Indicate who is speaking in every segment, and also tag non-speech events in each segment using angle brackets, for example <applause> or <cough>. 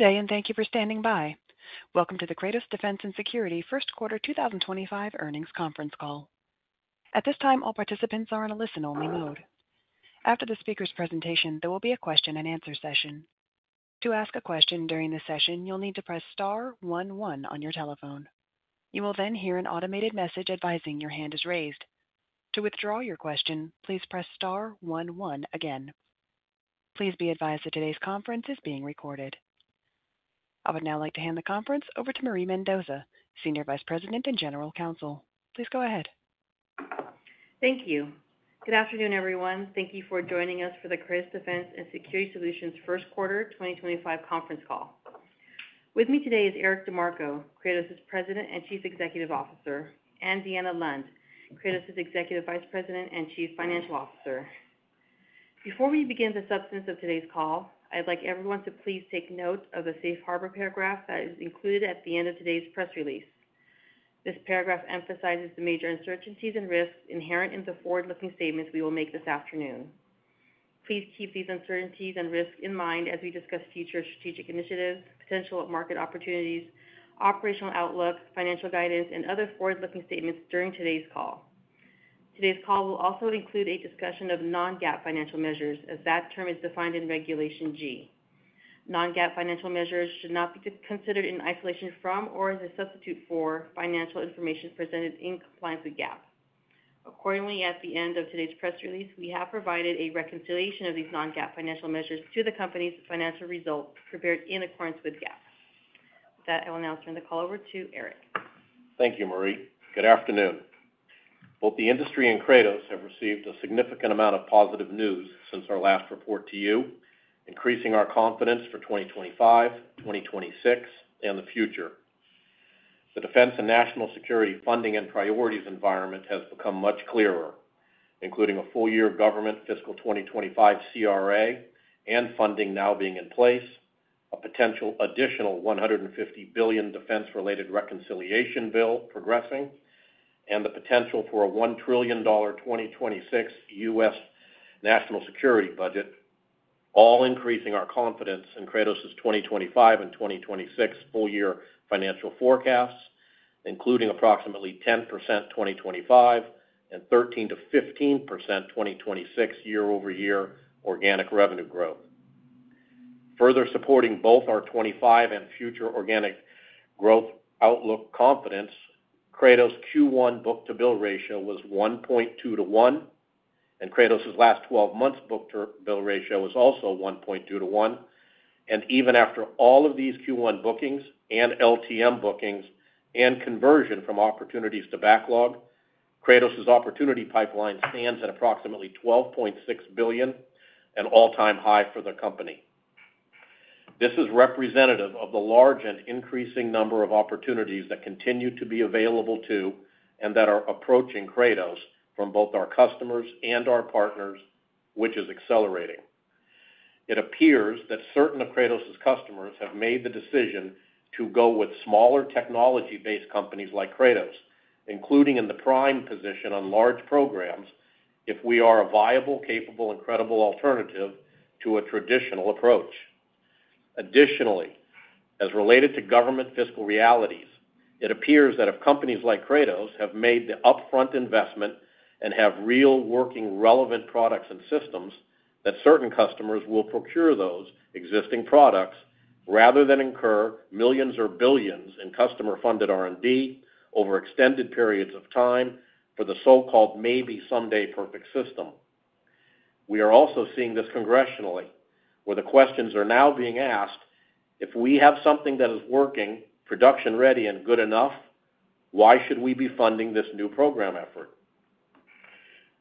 Speaker 1: Good day, and thank you for standing by. Welcome to the Kratos Defense & Security First Quarter 2025 earnings conference call. At this time, all participants are in a listen-only mode. After the speaker's presentation, there will be a question-and-answer session. To ask a question during the session, you'll need to press star 11 on your telephone. You will then hear an automated message advising your hand is raised. To withdraw your question, please press star 11 again. Please be advised that today's conference is being recorded. I would now like to hand the conference over to Marie Mendoza, Senior Vice President and General Counsel. Please go ahead.
Speaker 2: Thank you. Good afternoon, everyone. Thank you for joining us for the Kratos Defense & Security Solutions First Quarter 2025 conference call. With me today is Eric DeMarco, Kratos' President and Chief Executive Officer, and Deanna Lund, Kratos' Executive Vice President and Chief Financial Officer. Before we begin the substance of today's call, I'd like everyone to please take note of the safe harbor paragraph that is included at the end of today's press release. This paragraph emphasizes the major uncertainties and risks inherent in the forward-looking statements we will make this afternoon. Please keep these uncertainties and risks in mind as we discuss future strategic initiatives, potential market opportunities, operational outlook, financial guidance, and other forward-looking statements during today's call. Today's call will also include a discussion of non-GAAP financial measures, as that term is defined in Regulation G. Non-GAAP financial measures should not be considered in isolation from or as a substitute for financial information presented in compliance with GAAP. Accordingly, at the end of today's press release, we have provided a reconciliation of these non-GAAP financial measures to the company's financial results prepared in accordance with GAAP. With that, I will now turn the call over to Eric.
Speaker 3: Thank you, Marie. Good afternoon. Both the industry and Kratos have received a significant amount of positive news since our last report to you, increasing our confidence for 2025, 2026, and the future. The defense and national security funding and priorities environment has become much clearer, including a full-year government fiscal 2025 CRA and funding now being in place, a potential additional $150 billion defense-related reconciliation bill progressing, and the potential for a $1 trillion 2026 U.S. national security budget, all increasing our confidence in Kratos' 2025 and 2026 full-year financial forecasts, including approximately 10% 2025 and 13%-15% 2026 year-over-year organic revenue growth. Further supporting both our '25 and future organic growth outlook confidence, Kratos' Q1 book-to-bill ratio was 1.2 - 1, and Kratos' last 12 months' book-to-bill ratio was also 1.2 - 1. Even after all of these Q1 bookings and LTM bookings and conversion from opportunities to backlog, Kratos' opportunity pipeline stands at approximately $12.6 billion, an all-time high for the company. This is representative of the large and increasing number of opportunities that continue to be available to and that are approaching Kratos from both our customers and our partners, which is accelerating. It appears that certain of Kratos' customers have made the decision to go with smaller technology-based companies like Kratos, including in the prime position on large programs, if we are a viable, capable, and credible alternative to a traditional approach. Additionally, as related to government fiscal realities, it appears that if companies like Kratos have made the upfront investment and have real working relevant products and systems, that certain customers will procure those existing products rather than incur millions or billions in customer-funded R&D over extended periods of time for the so-called maybe-someday-perfect system. We are also seeing this congressionally, where the questions are now being asked: if we have something that is working, production-ready, and good enough, why should we be funding this new program effort?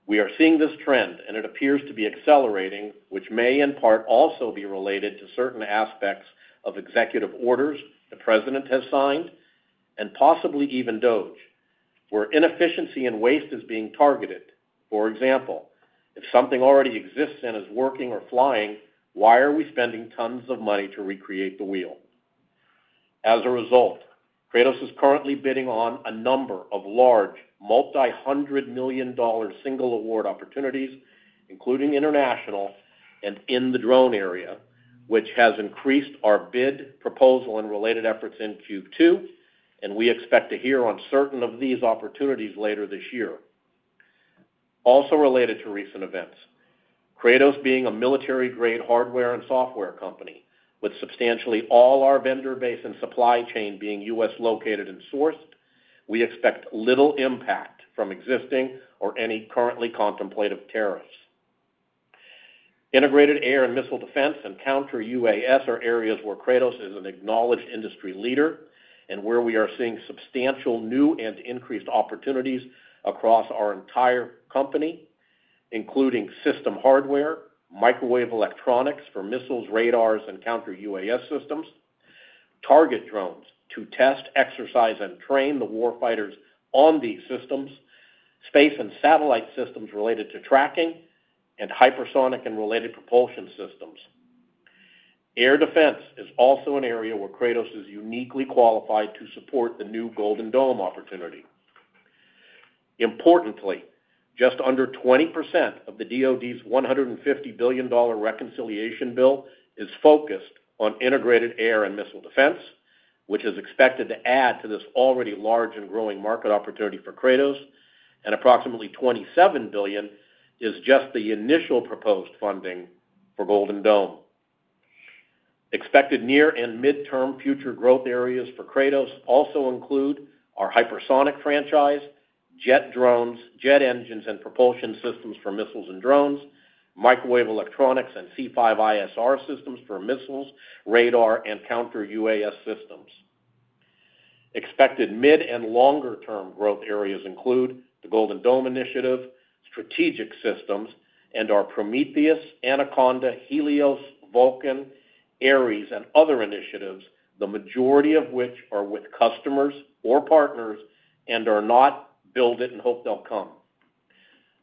Speaker 3: We are seeing this trend, and it appears to be accelerating, which may in part also be related to certain aspects of executive orders the President has signed and possibly even DoD, where inefficiency and waste is being targeted. For example, if something already exists and is working or flying, why are we spending tons of money to recreate the wheel? As a result, Kratos is currently bidding on a number of large multi-hundred-million-dollar single-award opportunities, including international and in the drone area, which has increased our bid, proposal, and related efforts in Q2, and we expect to hear on certain of these opportunities later this year. Also related to recent events, Kratos being a military-grade hardware and software company, with substantially all our vendor base and supply chain being U.S. located and sourced, we expect little impact from existing or any currently contemplated tariffs. Integrated air and missile defense and counter-UAS are areas where Kratos is an acknowledged industry leader, and where we are seeing substantial new and increased opportunities across our entire company, including system hardware, microwave electronics for missiles, radars, and counter-UAS systems, target drones to test, exercise, and train the war fighters on these systems, space and satellite systems related to tracking, and hypersonic and related propulsion systems. Air defense is also an area where Kratos is uniquely qualified to support the new Golden Dome opportunity. Importantly, just under 20% of the DOD's $150 billion reconciliation bill is focused on integrated air and missile defense, which is expected to add to this already large and growing market opportunity for Kratos, and approximately $27 billion is just the initial proposed funding for Golden Dome. Expected near and midterm future growth areas for Kratos also include our hypersonic franchise, jet drones, jet engines, and propulsion systems for missiles and drones, microwave electronics, and C5ISR systems for missiles, radar, and counter-UAS systems. Expected mid and longer-term growth areas include the Golden Dome initiative, strategic systems, and our Prometheus, Anaconda, Helios, Vulcan, Ares, and other initiatives, the majority of which are with customers or partners and are not build-it-and-hope-they'll-come.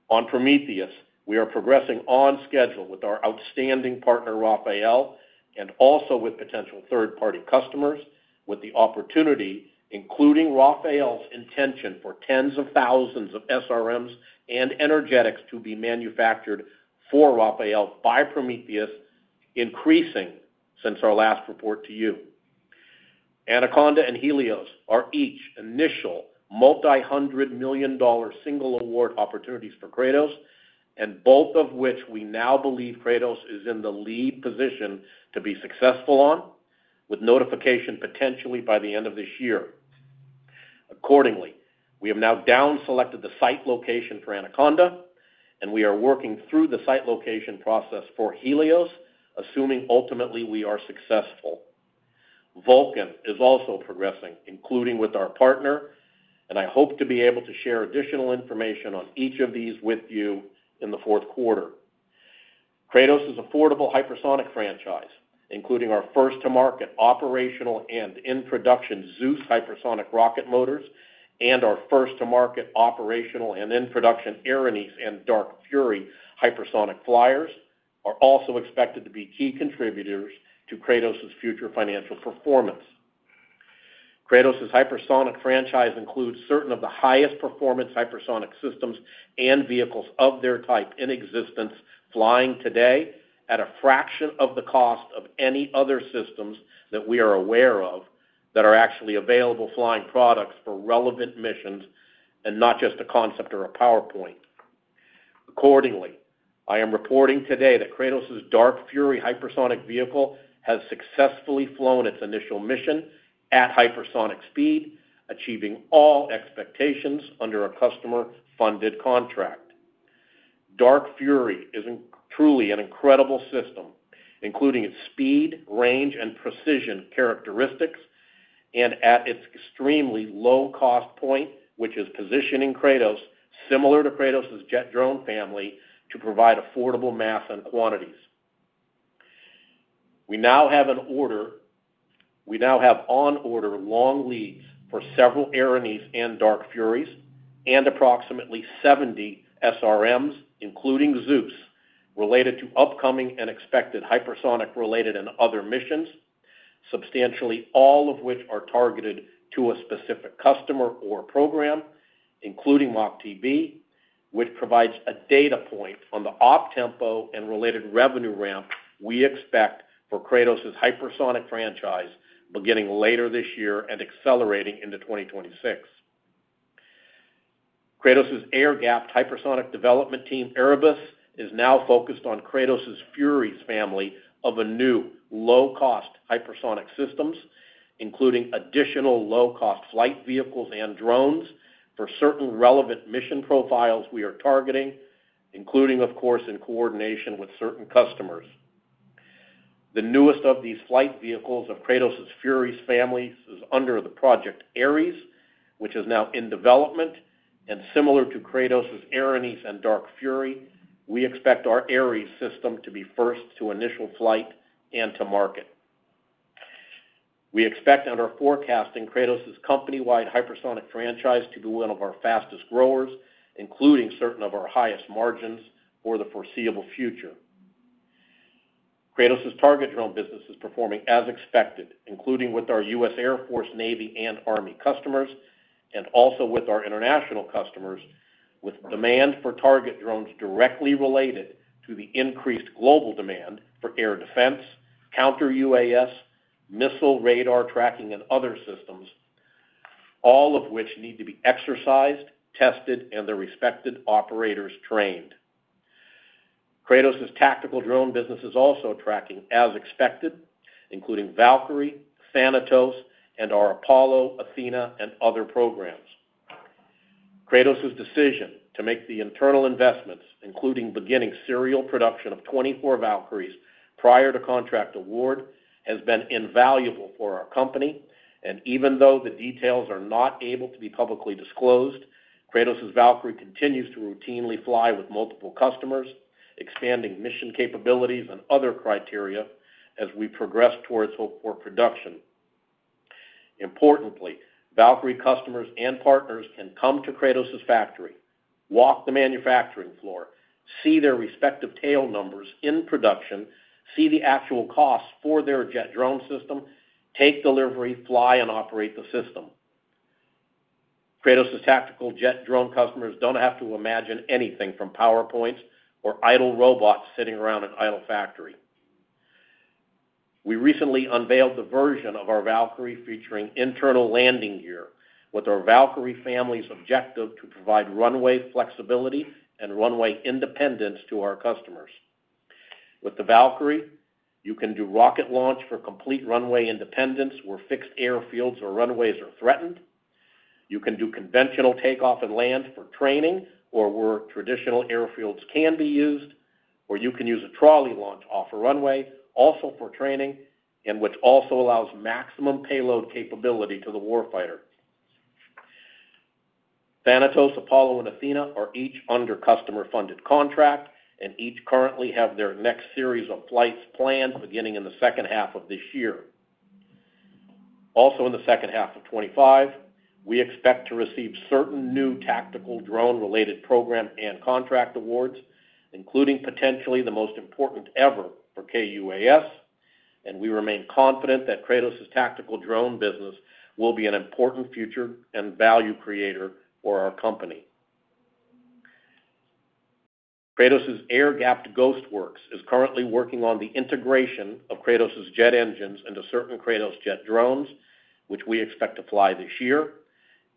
Speaker 3: On Prometheus, we are progressing on schedule with our outstanding partner, Rafael, and also with potential third-party customers, with the opportunity, including Rafael's intention for tens of thousands of SRMs and energetics to be manufactured for Rafael by Prometheus, increasing since our last report to you. Anaconda and Helios are each initial multi-hundred-million-dollar single-award opportunities for Kratos, and both of which we now believe Kratos is in the lead position to be successful on, with notification potentially by the end of this year. Accordingly, we have now down-selected the site location for Anaconda, and we are working through the site location process for Helios, assuming ultimately we are successful. Vulcan is also progressing, including with our partner, and I hope to be able to share additional information on each of these with you in the fourth quarter. Kratos' affordable hypersonic franchise, including our first-to-market operational and in-production Zeus hypersonic rocket motors, and our first-to-market operational and in-production Erinis and Dark Fury hypersonic flyers are also expected to be key contributors to Kratos' future financial performance. Kratos' hypersonic franchise includes certain of the highest-performance hypersonic systems and vehicles of their type in existence, flying today at a fraction of the cost of any other systems that we are aware of that are actually available flying products for relevant missions and not just a concept or a PowerPoint. Accordingly, I am reporting today that Kratos' Dark Fury hypersonic vehicle has successfully flown its initial mission at hypersonic speed, achieving all expectations under a customer-funded contract. Dark Fury is truly an incredible system, including its speed, range, and precision characteristics, and at its extremely low-cost point, which is positioning Kratos similar to Kratos' jet drone family to provide affordable mass and quantities. We now have on order long leads for several Erinis and Dark Furies and approximately 70 SRMs, including Zeus, related to upcoming and expected hypersonic-related and other missions, substantially all of which are targeted to a specific customer or program, including Mock TB, which provides a data point on the op tempo and related revenue ramp we expect for Kratos' hypersonic franchise beginning later this year and accelerating into 2026. Kratos' air-gapped hypersonic development team, Erebus, is now focused on Kratos' Furies family of new low-cost hypersonic systems, including additional low-cost flight vehicles and drones for certain relevant mission profiles we are targeting, including, of course, in coordination with certain customers. The newest of these flight vehicles of Kratos' Furies family is under the project Ares, which is now in development, and similar to Kratos' Erinis and Dark Fury, we expect our Ares system to be first to initial flight and to market. We expect, under forecasting, Kratos' company-wide hypersonic franchise to be one of our fastest growers, including certain of our highest margins for the foreseeable future. Kratos' target drone business is performing as expected, including with our U.S. Air Force, Navy, and Army customers, and also with our international customers, with demand for target drones directly related to the increased global demand for air defense, counter-UAS, missile radar tracking, and other systems, all of which need to be exercised, tested, and their respected operators trained. Kratos' tactical drone business is also tracking as expected, including Valkyrie, Thanatos, and our Apollo, Athena, and other programs. Kratos' decision to make the internal investments, including beginning serial production of 24 Valkyries prior to contract award, has been invaluable for our company, and even though the details are not able to be publicly disclosed, Kratos' Valkyrie continues to routinely fly with multiple customers, expanding mission capabilities and other criteria as we progress towards hope for production. Importantly, Valkyrie customers and partners can come to Kratos' factory, walk the manufacturing floor, see their respective tail numbers in production, see the actual costs for their jet drone system, take delivery, fly, and operate the system. Kratos' tactical jet drone customers don't have to imagine anything from PowerPoints or idle robots sitting around an idle factory. We recently unveiled the version of our Valkyrie featuring internal landing gear, with our Valkyrie family's objective to provide runway flexibility and runway independence to our customers. With the Valkyrie, you can do rocket launch for complete runway independence where fixed airfields or runways are threatened. You can do conventional takeoff and land for training or where traditional airfields can be used, or you can use a trolley launch off a runway also for training, which also allows maximum payload capability to the war fighter. Thanatos, Apollo, and Athena are each under customer-funded contract, and each currently have their next series of flights planned beginning in the second half of this year. Also in the second half of 2025, we expect to receive certain new tactical drone-related program and contract awards, including potentially the most important ever for KUAS, and we remain confident that Kratos' tactical drone business will be an important future and value creator for our company. Kratos' air-gapped Ghostworks is currently working on the integration of Kratos' jet engines into certain Kratos jet drones, which we expect to fly this year,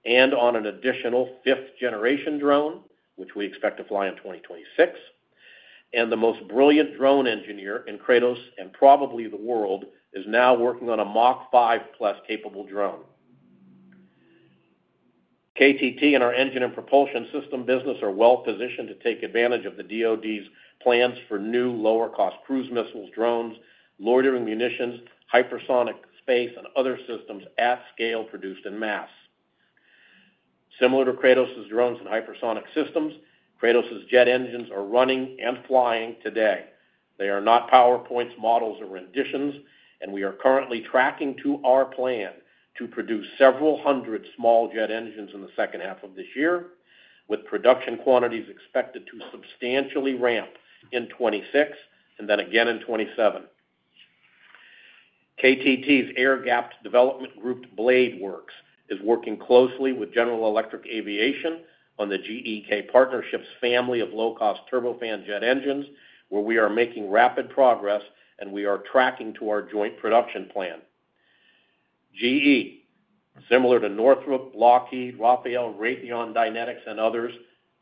Speaker 3: and on an additional 5th-generation drone, which we expect to fly in 2026, and the most brilliant drone engineer in Kratos and probably the world is now working on a Mach 5 Plus capable drone. KTT and our engine and propulsion system business are well positioned to take advantage of the DOD's plans for new lower-cost cruise missile drones, loitering munitions, hypersonic space, and other systems at scale produced in mass. Similar to Kratos' drones and hypersonic systems, Kratos' jet engines are running and flying today. They are not PowerPoints, models, or renditions, and we are currently tracking to our plan to produce several hundred small jet engines in the second half of this year, with production quantities expected to substantially ramp in 2026 and then again in 2027. KTT's air-gapped development group, BladeWorks, is working closely with General Electric Aviation on the GEK Partnership's family of low-cost turbofan jet engines, where we are making rapid progress, and we are tracking to our joint production plan. GE, similar to Northrop, Lockheed, Rafael, Raytheon, Dynetics, and others,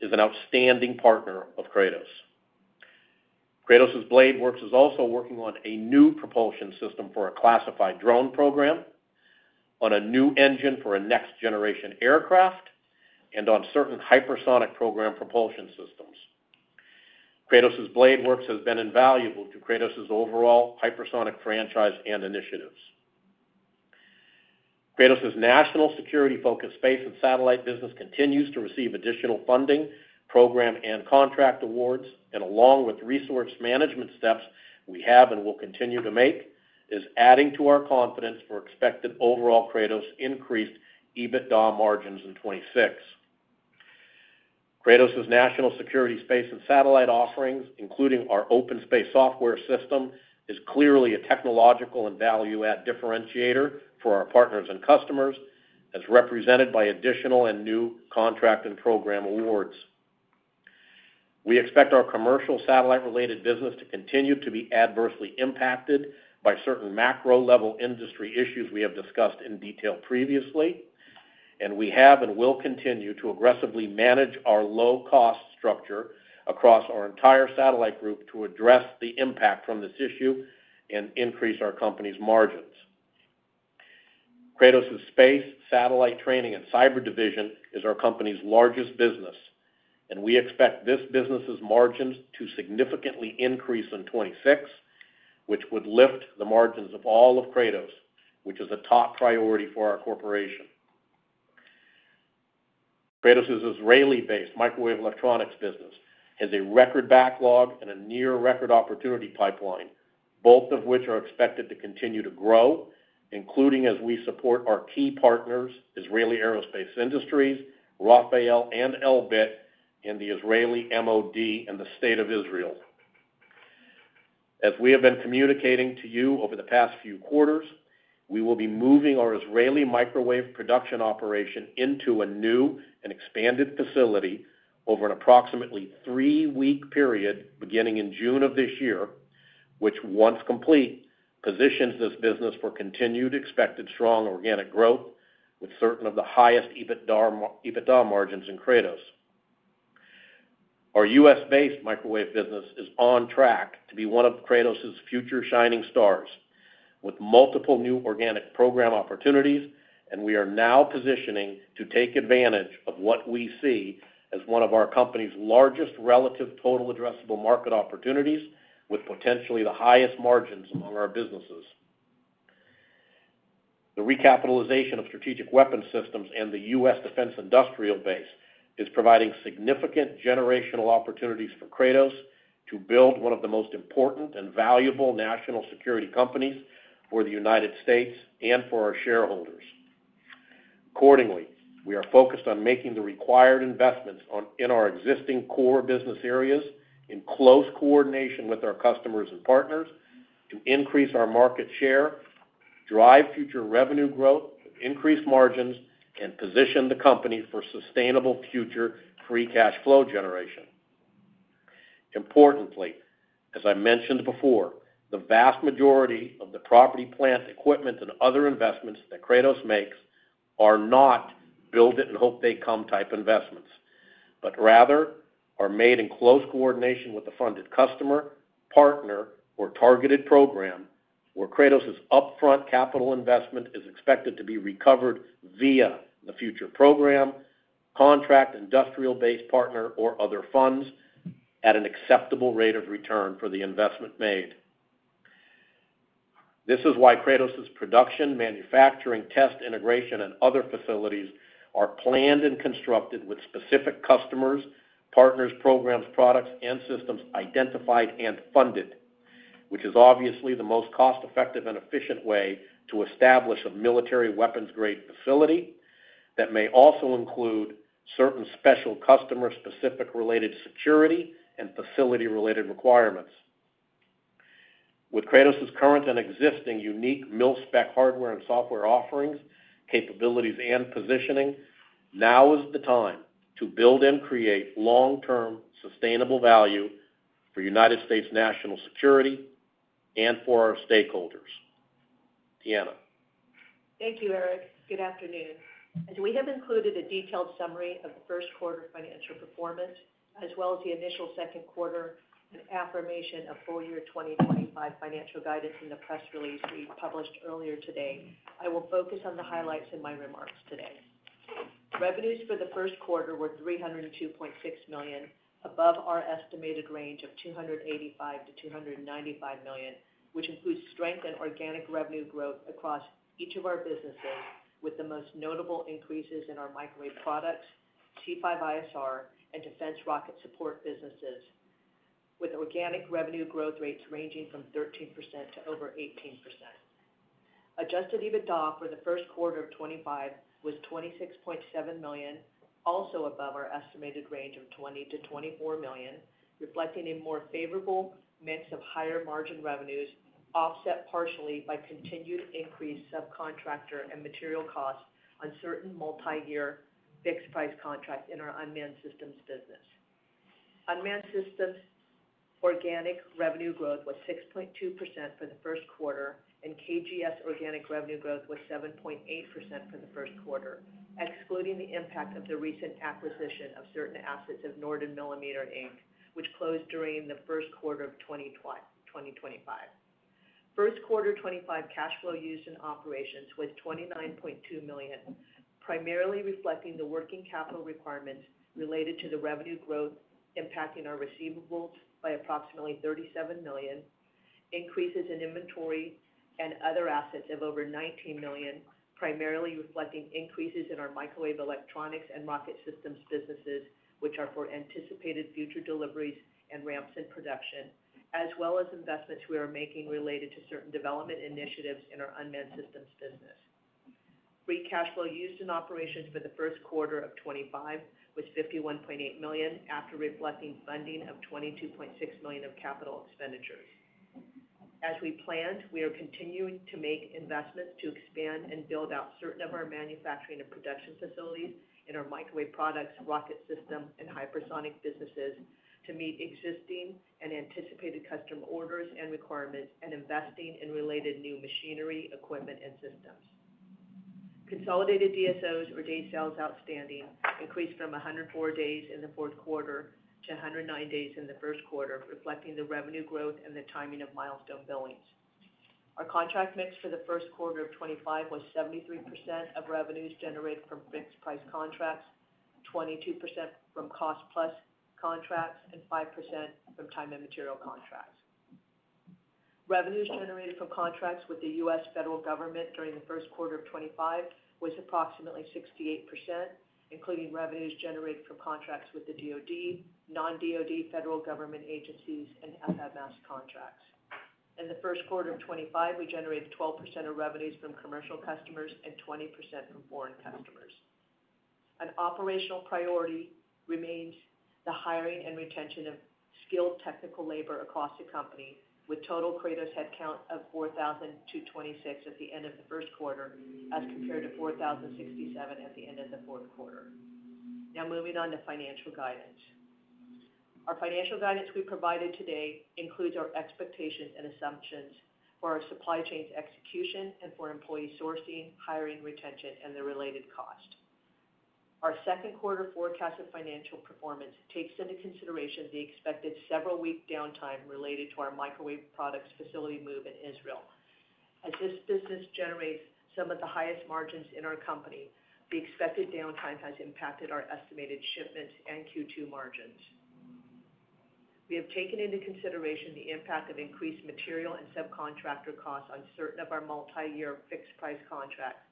Speaker 3: is an outstanding partner of Kratos. Kratos' BladeWorks is also working on a new propulsion system for a classified drone program, on a new engine for a next-generation aircraft, and on certain hypersonic program propulsion systems. Kratos' BladeWorks has been invaluable to Kratos' overall hypersonic franchise and initiatives. Kratos' national security-focused space and satellite business continues to receive additional funding, program, and contract awards, and along with resource management steps we have and will continue to make, is adding to our confidence for expected overall Kratos' increased EBITDA margins in 2026. Kratos' national security space and satellite offerings, including our OpenSpace software system, is clearly a technological and value-add differentiator for our partners and customers, as represented by additional and new contract and program awards. We expect our commercial satellite-related business to continue to be adversely impacted by certain macro-level industry issues we have discussed in detail previously, and we have and will continue to aggressively manage our low-cost structure across our entire satellite group to address the impact from this issue and increase our company's margins. Kratos' space, satellite training, and cyber division is our company's largest business, and we expect this business's margins to significantly increase in 2026, which would lift the margins of all of Kratos, which is a top priority for our corporation. Kratos' Israeli-based microwave electronics business has a record backlog and a near-record opportunity pipeline, both of which are expected to continue to grow, including as we support our key partners, Israeli Aerospace Industries, Rafael and Elbit, and the Israeli MoD and the State of Israel. As we have been communicating to you over the past few quarters, we will be moving our Israeli microwave production operation into a new and expanded facility over an approximately three-week period beginning in June of this year, which, once complete, positions this business for continued expected strong organic growth with certain of the highest EBITDA margins in Kratos. Our U.S.-based microwave business is on track to be one of Kratos' future shining stars, with multiple new organic program opportunities, and we are now positioning to take advantage of what we see as one of our company's largest relative total addressable market opportunities, with potentially the highest margins among our businesses. The recapitalization of strategic weapons systems and the U.S. defense industrial base is providing significant generational opportunities for Kratos to build one of the most important and valuable national security companies for the United States and for our shareholders. Accordingly, we are focused on making the required investments in our existing core business areas in close coordination with our customers and partners to increase our market share, drive future revenue growth, increase margins, and position the company for sustainable future free cash flow generation. Importantly, as I mentioned before, the vast majority of the property, plant, equipment, and other investments that Kratos makes are not build-it-and-hope-they-come type investments, but rather are made in close coordination with the funded customer, partner, or targeted program, where Kratos' upfront capital investment is expected to be recovered via the future program, contract, industrial-based partner, or other funds at an acceptable rate of return for the investment made. This is why Kratos' production, manufacturing, test, integration, and other facilities are planned and constructed with specific customers, partners, programs, products, and systems identified and funded, which is obviously the most cost-effective and efficient way to establish a military weapons-grade facility that may also include certain special customer-specific related security and facility-related requirements. With Kratos' current and existing unique mill-spec hardware and software offerings, capabilities, and positioning, now is the time to build and create long-term sustainable value for United States national security and for our stakeholders. Deanna.
Speaker 4: Thank you, Eric. Good afternoon. As we have included a detailed summary of the first quarter financial performance, as well as the initial second quarter and affirmation of full year 2025 financial guidance in the press release we published earlier today, I will focus on the highlights in my remarks today. Revenues for the first quarter were $302.6 million, above our estimated range of $285-$295 million, which includes strengthened organic revenue growth across each of our businesses, with the most notable increases in our microwave products, C5ISR, and defense rocket support businesses, with organic revenue growth rates ranging from 13% to over 18%. Adjusted EBITDA for the first quarter of 2025 was $26.7 million, also above our estimated range of $20-$24 million, reflecting a more favorable mix of higher margin revenues offset partially by continued increased subcontractor and material costs on certain multi-year fixed-price contracts in our unmanned systems business. Unmanned systems organic revenue growth was 6.2% for the first quarter, and KGS organic revenue growth was 7.8% for the first quarter, excluding the impact of the recent acquisition of certain assets of Norden Millimeter Inc., which closed during the first quarter of 2025. First quarter 2025 cash flow used in operations was $29.2 million, primarily reflecting the working capital requirements related to the revenue growth impacting our receivables by approximately $37 million, increases in inventory and other assets of over $19 million, primarily reflecting increases in our microwave electronics and rocket systems businesses, which are for anticipated future deliveries and ramps in production, as well as investments we are making related to certain development initiatives in our unmanned systems business. Free cash flow used in operations for the first quarter of 2025 was $51.8 million after reflecting funding of $22.6 million of capital expenditures. As we planned, we are continuing to make investments to expand and build out certain of our manufacturing and production facilities in our microwave products, rocket systems, and hypersonic businesses to meet existing and anticipated customer orders and requirements and investing in related new machinery, equipment, and systems. Consolidated DSOs or days sales outstanding increased from 104 days in the fourth quarter to 109 days in the first quarter, reflecting the revenue growth and the timing of milestone billings. Our contract mix for the first quarter of 2025 was 73% of revenues generated from fixed-price contracts, 22% from cost-plus contracts, and 5% from time and material contracts. Revenues generated from contracts with the U.S. federal government during the first quarter of 2025 was approximately 68%, including revenues generated from contracts with the DOD, non-DOD federal government agencies, and FMS contracts. In the first quarter of 2025, we generated 12% of revenues from commercial customers and 20% from foreign customers. An operational priority remains the hiring and retention of skilled technical labor across the company, with total Kratos headcount of 4,026 at the end of the first quarter as compared to 4,067 at the end of the fourth quarter. Now moving on to financial guidance. Our financial guidance we provided today includes our expectations and assumptions for our supply chain's execution and for employee sourcing, hiring, retention, and the related cost. Our second quarter forecast of financial performance takes into consideration the expected several-week downtime related to our microwave products facility move in Israel. As this business generates some of the highest margins in our company, the expected downtime has impacted our estimated shipment and Q2 margins. We have taken into consideration the impact of increased material and subcontractor costs on certain of our multi-year fixed-price contracts,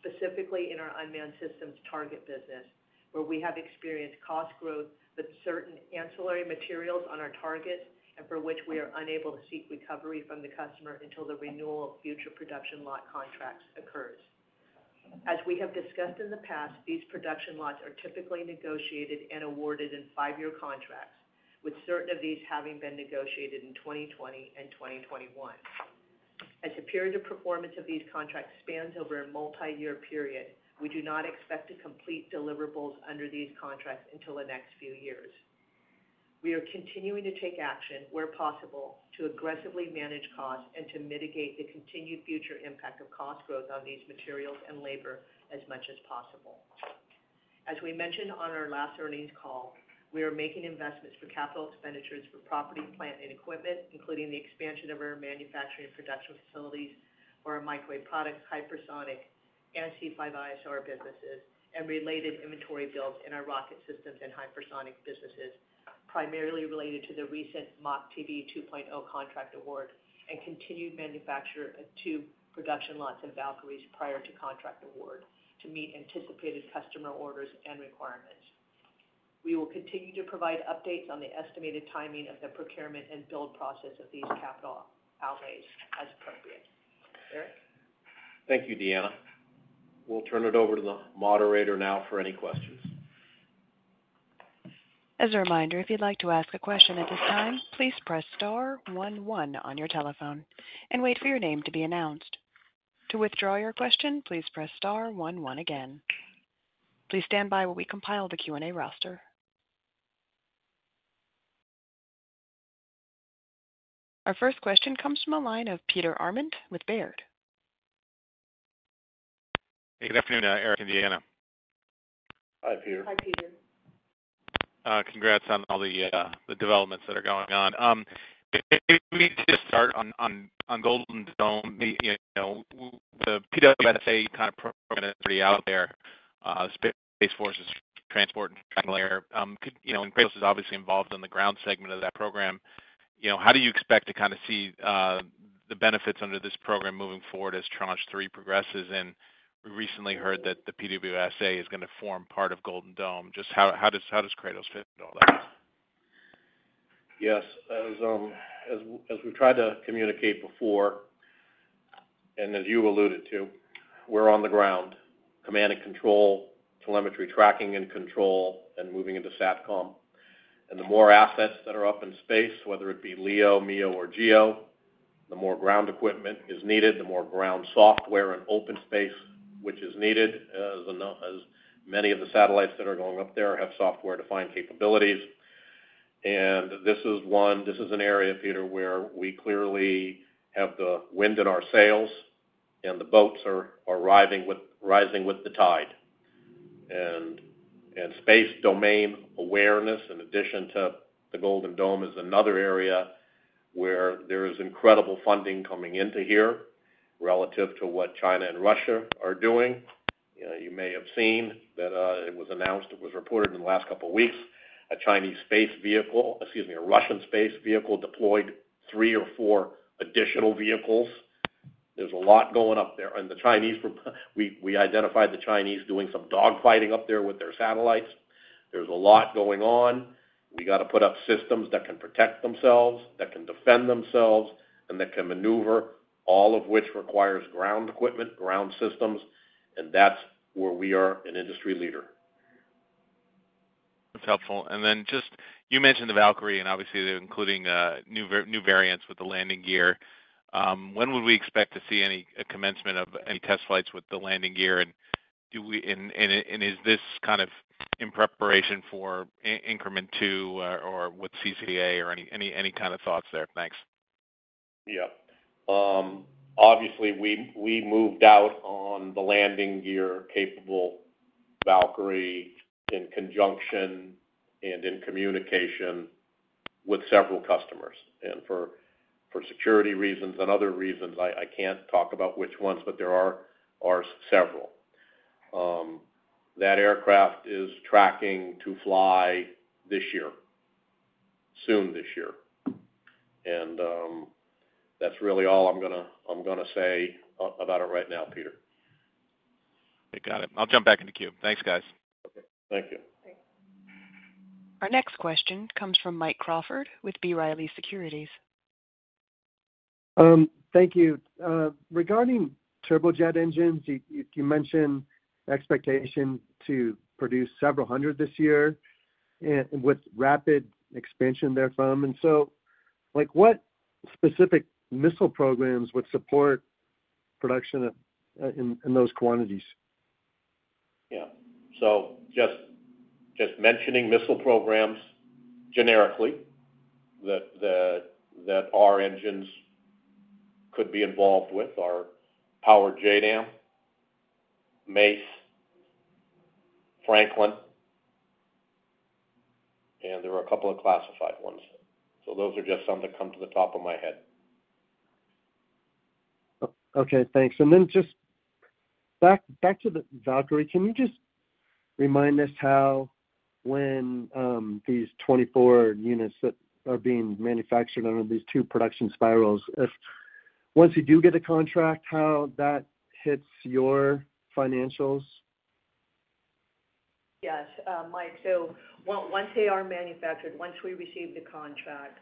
Speaker 4: specifically in our unmanned systems target business, where we have experienced cost growth with certain ancillary materials on our targets and for which we are unable to seek recovery from the customer until the renewal of future production lot contracts occurs. As we have discussed in the past, these production lots are typically negotiated and awarded in five-year contracts, with certain of these having been negotiated in 2020 and 2021. As the period of performance of these contracts spans over a multi-year period, we do not expect to complete deliverables under these contracts until the next few years. We are continuing to take action where possible to aggressively manage costs and to mitigate the continued future impact of cost growth on these materials and labor as much as possible. As we mentioned on our last earnings call, we are making investments for capital expenditures for property, plant, and equipment, including the expansion of our manufacturing and production facilities for our microwave products, hypersonic, and C5ISR businesses, and related inventory builds in our rocket systems and hypersonic businesses, primarily related to the recent Mock TB 2.0 contract award and continued manufacture of two production lots in Valkyries prior to contract award to meet anticipated customer orders and requirements. We will continue to provide updates on the estimated timing of the procurement and build process of these capital outlays as appropriate. Eric.
Speaker 3: Thank you, Deanna. We'll turn it over to the moderator now for any questions.
Speaker 1: As a reminder, if you'd like to ask a question at this time, please press star 11 on your telephone and wait for your name to be announced. To withdraw your question, please press star 11 again. Please stand by while we compile the Q&A roster. Our first question comes from a line of Peter Arment with Baird.
Speaker 5: Hey, good afternoon, Eric. And Deanna. Hi, Peter. Hi, Peter. Congrats on all the developments that are going on. Maybe we need to start on Golden Dome. The PWSA kind of program is already out there, Space Force's Transport and Tranche Layer. Kratos is obviously involved in the ground segment of that program. How do you expect to kind of see the benefits under this program moving forward as Tranche 3 progresses? We recently heard that the PWSA is going to form part of Golden Dome. Just how does Kratos fit into all that?
Speaker 3: Yes. As we've tried to communicate before, and as you alluded to, we're on the ground, command and control, telemetry tracking and control, and moving into SATCOM. The more assets that are up in space, whether it be LEO, MEO, or GEO, the more ground equipment is needed, the more ground software and OpenSpace, which is needed, as many of the satellites that are going up there have software-defined capabilities. This is an area, Peter, where we clearly have the wind in our sails and the boats are rising with the tide. Space domain awareness, in addition to the Golden Dome, is another area where there is incredible funding coming into here relative to what China and Russia are doing. You may have seen that it was announced, it was reported in the last couple of weeks, a Chinese space vehicle—excuse me, a Russian space vehicle—deployed three or four additional vehicles. There is a lot going up there. We identified the Chinese doing some dogfighting up there with their satellites. There's a lot going on. We got to put up systems that can protect themselves, that can defend themselves, and that can maneuver, all of which requires ground equipment, ground systems, and that's where we are an industry leader.
Speaker 5: That's helpful. Then just you mentioned the Valkyrie, and obviously they're including new variants with the landing gear. When would we expect to see a commencement of any test flights with the landing gear? And is this kind of in preparation for increment two or with CCA or any kind of thoughts there? Thanks.
Speaker 3: Yep. Obviously, we moved out on the landing gear-capable Valkyrie in conjunction and in communication with several customers. For security reasons and other reasons, I can't talk about which ones, but there are several. That aircraft is tracking to fly this year, soon this year. That's really all I'm going to say about it right now, Peter.
Speaker 5: I got it. I'll jump back into Q. Thanks, guys.
Speaker 3: Okay. Thank you.
Speaker 1: Our next question comes from Mike Crawford with B. Riley Securities.
Speaker 6: Thank you. Regarding turbojet engines, you mentioned expectation to produce several hundred this year with rapid expansion therefrom. What specific missile programs would support production in those quantities?
Speaker 3: Yeah. Just mentioning missile programs generically that our engines could be involved with are Power JDAM, Mace, Franklin, and there are a couple of classified ones. Those are just some that come to the top of my head.
Speaker 6: Okay. Thanks. Just back to the Valkyrie, can you remind us how, when these 24 units that are being manufactured under these two production spirals, if once you do get a contract, how that hits your financials?
Speaker 4: Yes. Mike, once they are manufactured, once we receive the contract,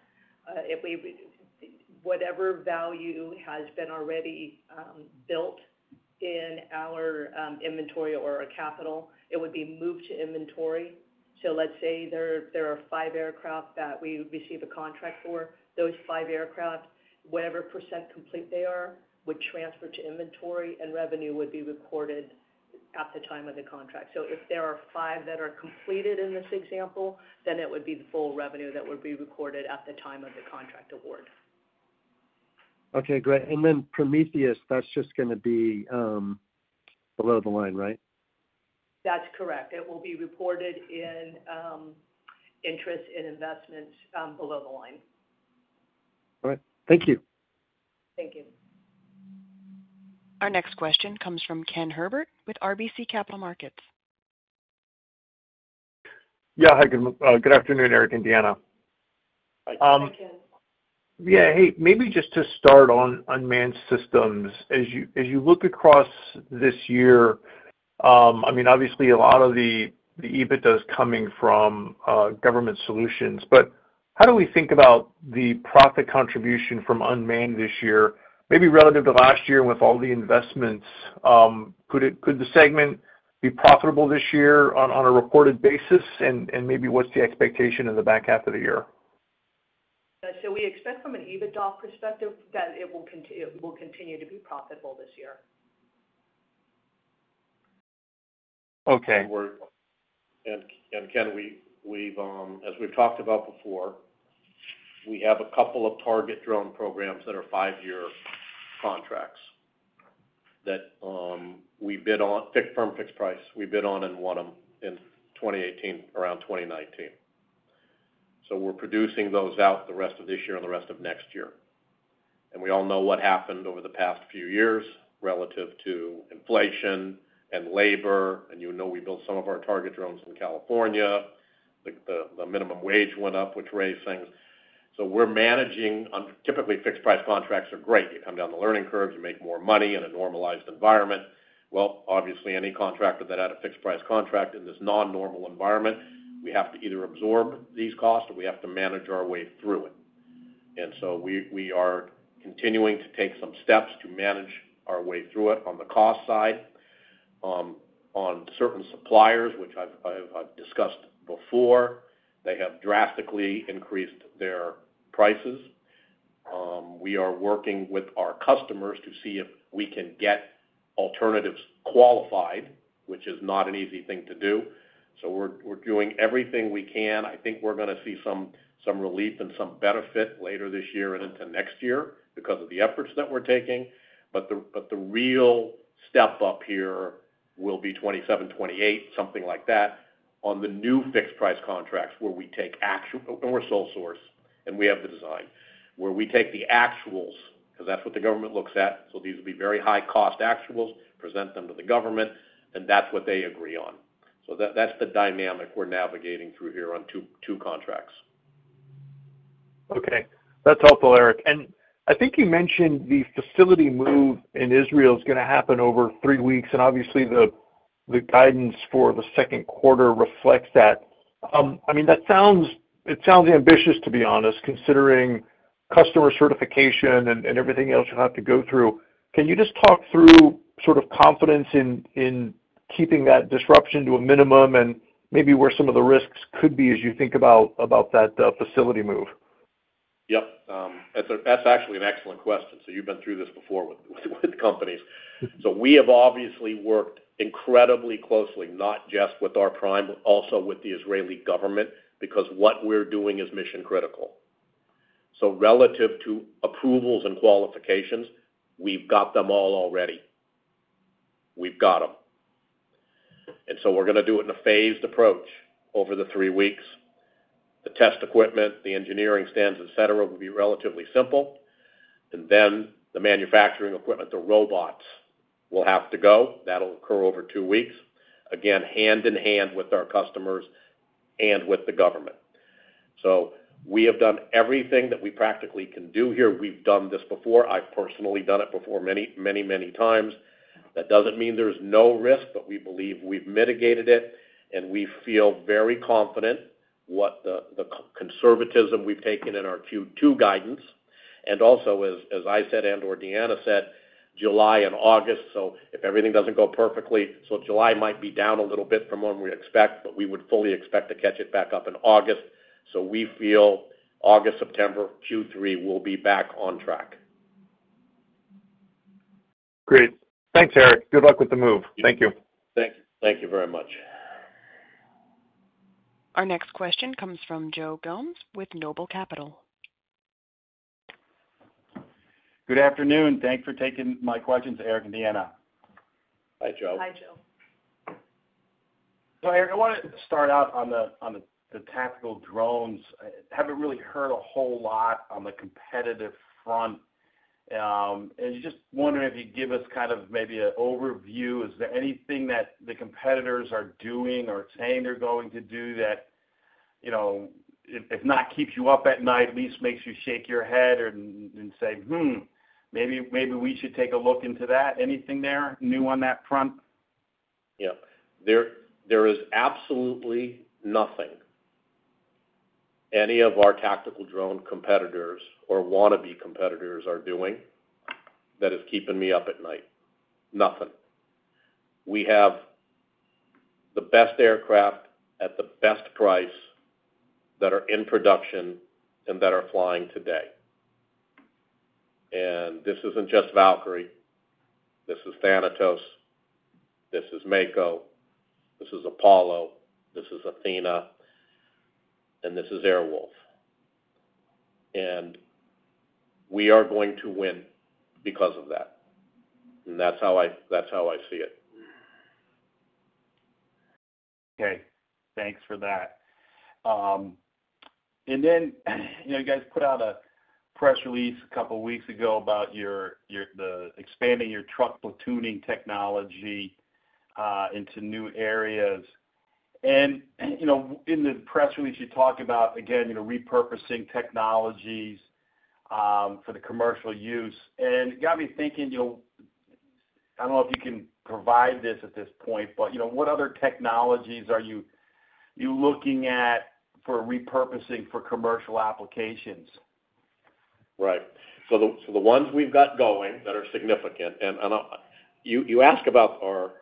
Speaker 4: whatever value has been already built in our inventory or our capital, it would be moved to inventory. Let's say there are five aircraft that we receive a contract for. Those five aircraft, whatever percent complete they are, would transfer to inventory, and revenue would be recorded at the time of the contract. If there are five that are completed in this example, then it would be the full revenue that would be recorded at the time of the contract award.
Speaker 6: Okay. Great. Prometheus, that's just going to be below the line, right?
Speaker 4: That's correct. It will be reported in interest and investments below the line.
Speaker 6: All right. Thank you.
Speaker 4: Thank you.
Speaker 1: Our next question comes from Ken Herbert with RBC Capital Markets.
Speaker 7: Yeah. Hi, good afternoon, Eric. And Deanna.
Speaker 4: Hi, Ken.
Speaker 7: Yeah. Hey, maybe just to start on unmanned systems, as you look across this year, I mean, obviously a lot of the EBITDA is coming from government solutions, but how do we think about the profit contribution from unmanned this year, maybe relative to last year with all the investments? Could the segment be profitable this year on a reported basis? Maybe what's the expectation in the back half of the year?
Speaker 4: We expect from an EBITDA perspective that it will continue to be profitable this year.
Speaker 7: Okay.
Speaker 3: Ken, as we've talked about before, we have a couple of target drone programs that are five-year contracts that we bid on, firm fixed price. We bid on and won them in 2018, around 2019. We are producing those out the rest of this year and the rest of next year. We all know what happened over the past few years relative to inflation and labor. We built some of our target drones in California. The minimum wage went up, which raised things. We are managing. Typically, fixed-price contracts are great. You come down the learning curve, you make more money in a normalized environment. Obviously, any contractor that had a fixed-price contract in this non-normal environment, we have to either absorb these costs or we have to manage our way through it. We are continuing to take some steps to manage our way through it on the cost side. On certain suppliers, which I have discussed before, they have drastically increased their prices. We are working with our customers to see if we can get alternatives qualified, which is not an easy thing to do. We are doing everything we can. I think we're going to see some relief and some benefit later this year and into next year because of the efforts that we're taking. The real step up here will be 2027, 2028, something like that on the new fixed-price contracts where we take actual and we're sole source, and we have the design where we take the actuals, because that's what the government looks at. These will be very high-cost actuals, present them to the government, and that's what they agree on. That's the dynamic we're navigating through here on two contracts.
Speaker 7: Okay. That's helpful, Eric. I think you mentioned the facility move in Israel is going to happen over three weeks. Obviously, the guidance for the second quarter reflects that. I mean, it sounds ambitious, to be honest, considering customer certification and everything else you'll have to go through. Can you just talk through sort of confidence in keeping that disruption to a minimum and maybe where some of the risks could be as you think about that facility move?
Speaker 3: Yep. That's actually an excellent question. You have been through this before with companies. We have obviously worked incredibly closely, not just with our prime, but also with the Israeli government, because what we are doing is mission-critical. Relative to approvals and qualifications, we have got them all already. We have got them. We are going to do it in a phased approach over the three weeks. The test equipment, the engineering stands, etc., will be relatively simple. The manufacturing equipment, the robots will have to go. That will occur over two weeks, again, hand in hand with our customers and with the government. We have done everything that we practically can do here. We've done this before. I've personally done it before many, many, many times. That does not mean there is no risk, but we believe we have mitigated it. We feel very confident in the conservatism we have taken in our Q2 guidance. Also, as I said and/or Deanna said, July and August. If everything does not go perfectly, July might be down a little bit from what we expect, but we would fully expect to catch it back up in August. We feel August, September, Q3 will be back on track.
Speaker 7: Great. Thanks, Eric. Good luck with the move.
Speaker 3: Thank you. Thank you very much.
Speaker 1: Our next question comes from Joe Gomes with NOBLE Capital. Good afternoon.
Speaker 8: Thanks for taking my questions, Eric and Deanna.
Speaker 3: Hi, Joe.
Speaker 4: Hi, Joe.
Speaker 8: Eric, I want to start out on the tactical drones. Haven't really heard a whole lot on the competitive front. And just wondering if you'd give us kind of maybe an overview. Is there anything that the competitors are doing or saying they're going to do that, if not keep you up at night, at least makes you shake your head and say, maybe we should take a look into that? Anything there new on that front?
Speaker 3: Yeah. There is absolutely nothing any of our tactical drone competitors or want-to-be competitors are doing that is keeping me up at night. Nothing. We have the best aircraft at the best price that are in production and that are flying today. And this isn't just Valkyrie. This is Thanatos. This is MECO. This is Apollo. This is Athena. And this is Airwolf. And we are going to win because of that. And that's how I see it.
Speaker 8: Okay. Thanks for that. You guys put out a press release a couple of weeks ago about expanding your truck platooning technology into new areas. In the press release, you talked about, again, repurposing technologies for the commercial use. It got me thinking. I do not know if you can provide this at this point, but what other technologies are you looking at for repurposing for commercial applications?
Speaker 3: Right. The ones we have got going that are significant—and you ask about our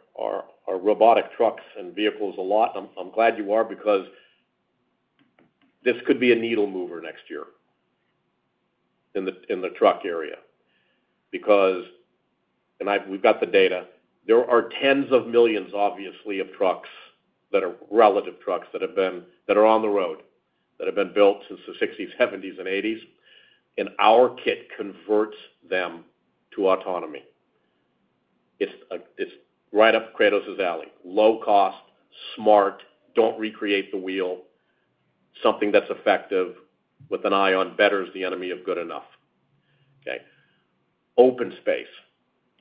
Speaker 3: robotic trucks and vehicles a lot—I am glad you are because this could be a needle mover next year in the truck area. We have got the data. There are tens of millions, obviously, of trucks that are relative trucks that are on the road, that have been built since the 1960s, 1970s, and 1980s. Our kit converts them to autonomy. It is right up Kratos' alley. Low cost, smart, do not recreate the wheel. Something that is effective with an eye on better is the enemy of good enough. Okay. OpenSpace.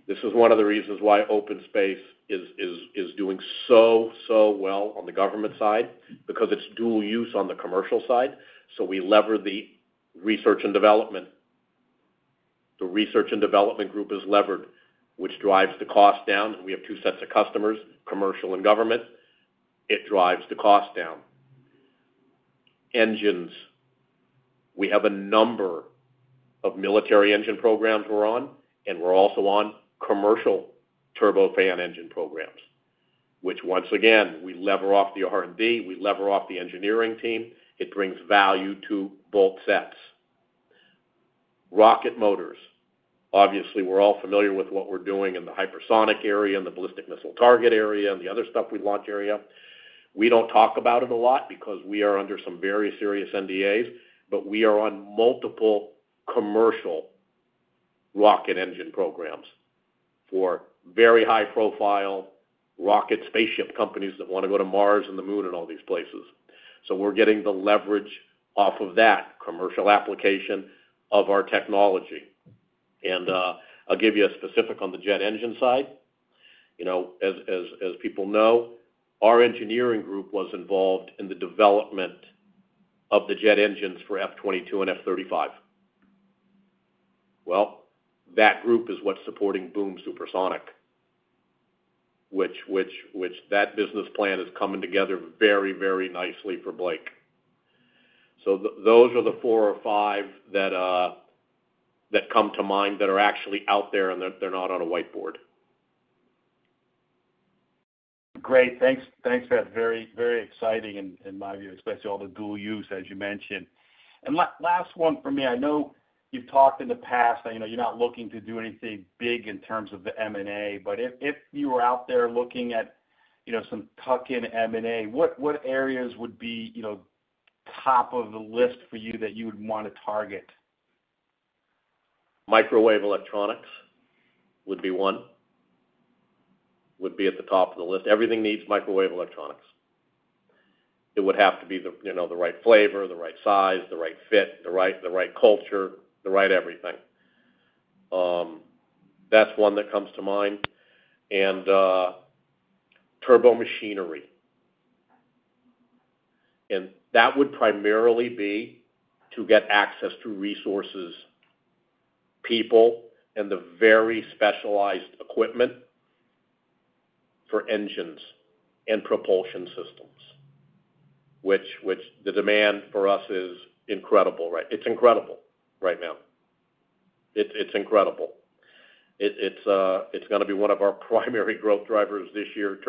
Speaker 3: This is one of the reasons why OpenSpace is doing so, so well on the government side because it is dual use on the commercial side. We lever the research and development. The research and development group is levered, which drives the cost down. We have two sets of customers, commercial and government. It drives the cost down. Engines. We have a number of military engine programs we are on, and we are also on commercial turbofan engine programs, which, once again, we lever off the R&D. We lever off the engineering team. It brings value to both sets. Rocket motors. Obviously, we are all familiar with what we are doing in the hypersonic area and the ballistic missile target area and the other stuff we launch area. We do not talk about it a lot because we are under some very serious NDAs, but we are on multiple commercial rocket engine programs for very high-profile rocket spaceship companies that want to go to Mars and the moon and all these places. We are getting the leverage off of that commercial application of our technology. I will give you a specific on the jet engine side. As people know, our engineering group was involved in the development of the jet engines for F-22 and F-35. That group is what is supporting Boom Supersonic, which that business plan is coming together very, very nicely for Blake. Those are the four or five that come to mind that are actually out there, and they are not on a whiteboard.
Speaker 8: Great. Thanks for that. Very exciting, in my view, especially all the dual use, as you mentioned. Last one for me. I know you've talked in the past. You're not looking to do anything big in terms of the M&A, but if you were out there looking at some tuck-in M&A, what areas would be top of the list for you that you would want to target?
Speaker 3: Microwave electronics would be one. Would be at the top of the list. Everything needs microwave electronics. It would have to be the right flavor, the right size, the right fit, the right culture, the right everything. That's one that comes to mind. And turbo machinery. That would primarily be to get access to resources, people, and the very specialized equipment for engines and propulsion systems, which the demand for us is incredible, right? It's incredible right now. It's incredible. It's going to be one of our primary growth drivers this year: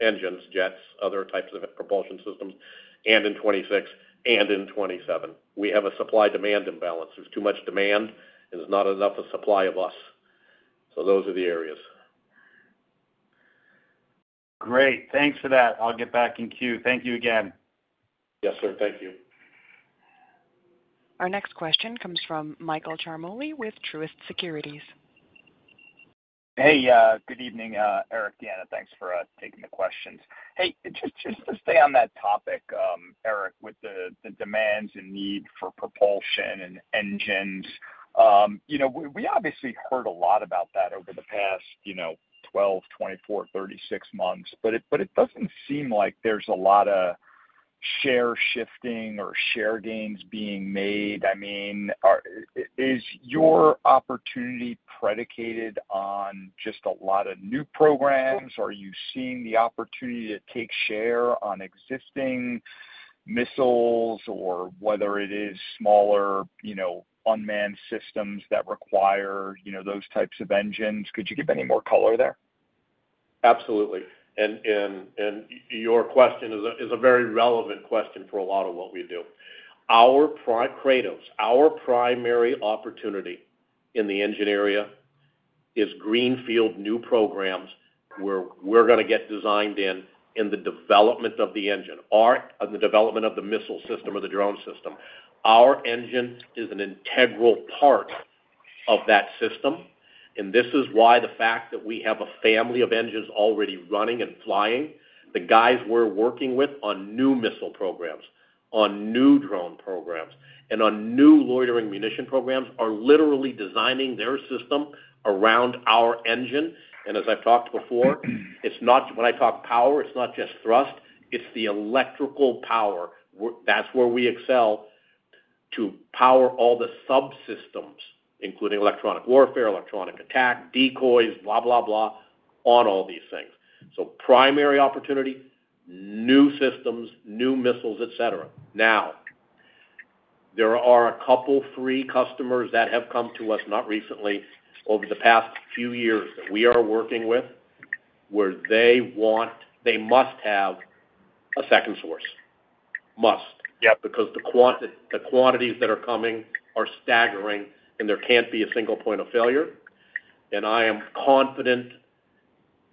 Speaker 3: engines, jets, other types of propulsion systems, and in 2026 and in 2027. We have a supply-demand imbalance. There's too much demand, and there's not enough supply of us. So those are the areas.
Speaker 8: Great. Thanks for that. I'll get back in queue. Thank you again.
Speaker 3: Yes, sir. Thank you.
Speaker 1: Our next question comes from Michael Ciarmoli with Truist Securities.
Speaker 9: Hey, good evening, Eric, Deanna. Thanks for taking the questions. Hey, just to stay on that topic, Eric, with the demands and need for propulsion and engines, we obviously heard a lot about that over the past 12, 24, 36 months, but it doesn't seem like there's a lot of share shifting or share gains being made. I mean, is your opportunity predicated on just a lot of new programs? Are you seeing the opportunity to take share on existing missiles or whether it is smaller unmanned systems that require those types of engines? Could you give any more color there?
Speaker 3: Absolutely. Your question is a very relevant question for a lot of what we do. Our primary opportunity in the engine area is greenfield new programs where we're going to get designed in in the development of the engine or in the development of the missile system or the drone system. Our engine is an integral part of that system. This is why the fact that we have a family of engines already running and flying, the guys we're working with on new missile programs, on new drone programs, and on new loitering munition programs are literally designing their system around our engine. As I've talked before, when I talk power, it's not just thrust. It's the electrical power. That's where we excel, to power all the subsystems, including electronic warfare, electronic attack, decoys, blah, blah, blah, on all these things. Primary opportunity, new systems, new missiles, etc. Now, there are a couple of free customers that have come to us, not recently, over the past few years, that we are working with, where they must have a second source. Must. Because the quantities that are coming are staggering, and there can't be a single point of failure. I am confident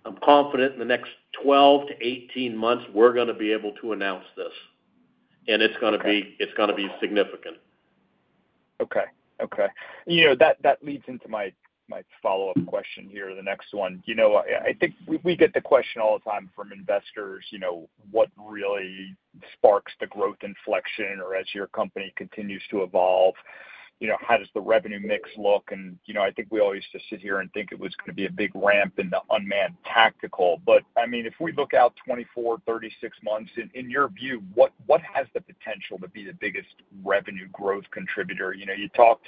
Speaker 3: in the next 12 - 18 months, we're going to be able to announce this. It's going to be significant.
Speaker 9: Okay. That leads into my follow-up question here, the next one. I think we get the question all the time from investors, what really sparks the growth inflection, or as your company continues to evolve, how does the revenue mix look? I think we always just sit here and think it was going to be a big ramp in the unmanned tactical. I mean, if we look out 24, 36 months, in your view, what has the potential to be the biggest revenue growth contributor? You talked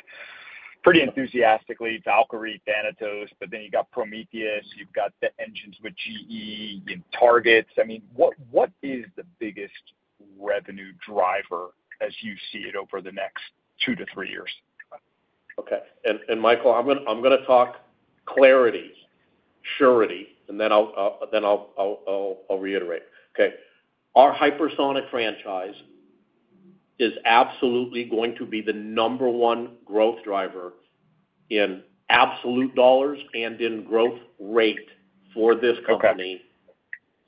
Speaker 9: pretty enthusiastically about Valkyrie, Thanatos, but then you got Prometheus. You have got the engines with GE, Targets. I mean, what is the biggest revenue driver as you see it over the next two to three years?
Speaker 3: Okay. Michael, I am going to talk clarity, surety, and then I will reiterate. Okay. Our hypersonic franchise is absolutely going to be the number one growth driver in absolute dollars and in growth rate for this company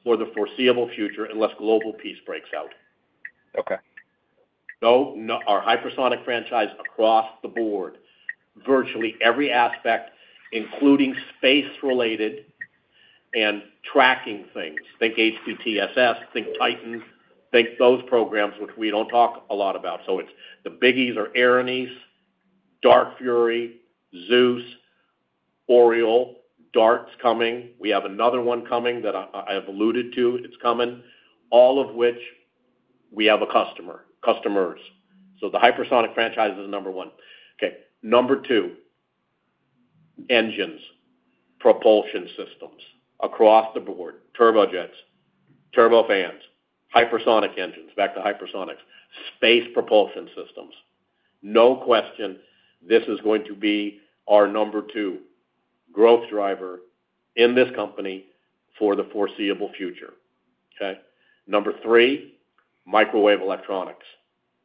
Speaker 3: for the foreseeable future unless global peace breaks out. Our hypersonic franchise across the board, virtually every aspect, including space-related and tracking things. Think HTTSS, think Titan, think those programs, which we do not talk a lot about. It is the Biggies or Erinis, Dark Fury, Zeus, Oriole, Dart is coming. We have another one coming that I have alluded to. It is coming. All of which we have a customer, customers. The hypersonic franchise is number one. Number two, engines, propulsion systems across the board, turbojets, turbofans, hypersonic engines, back to hypersonics, space propulsion systems. No question, this is going to be our number two growth driver in this company for the foreseeable future. Number three, microwave electronics,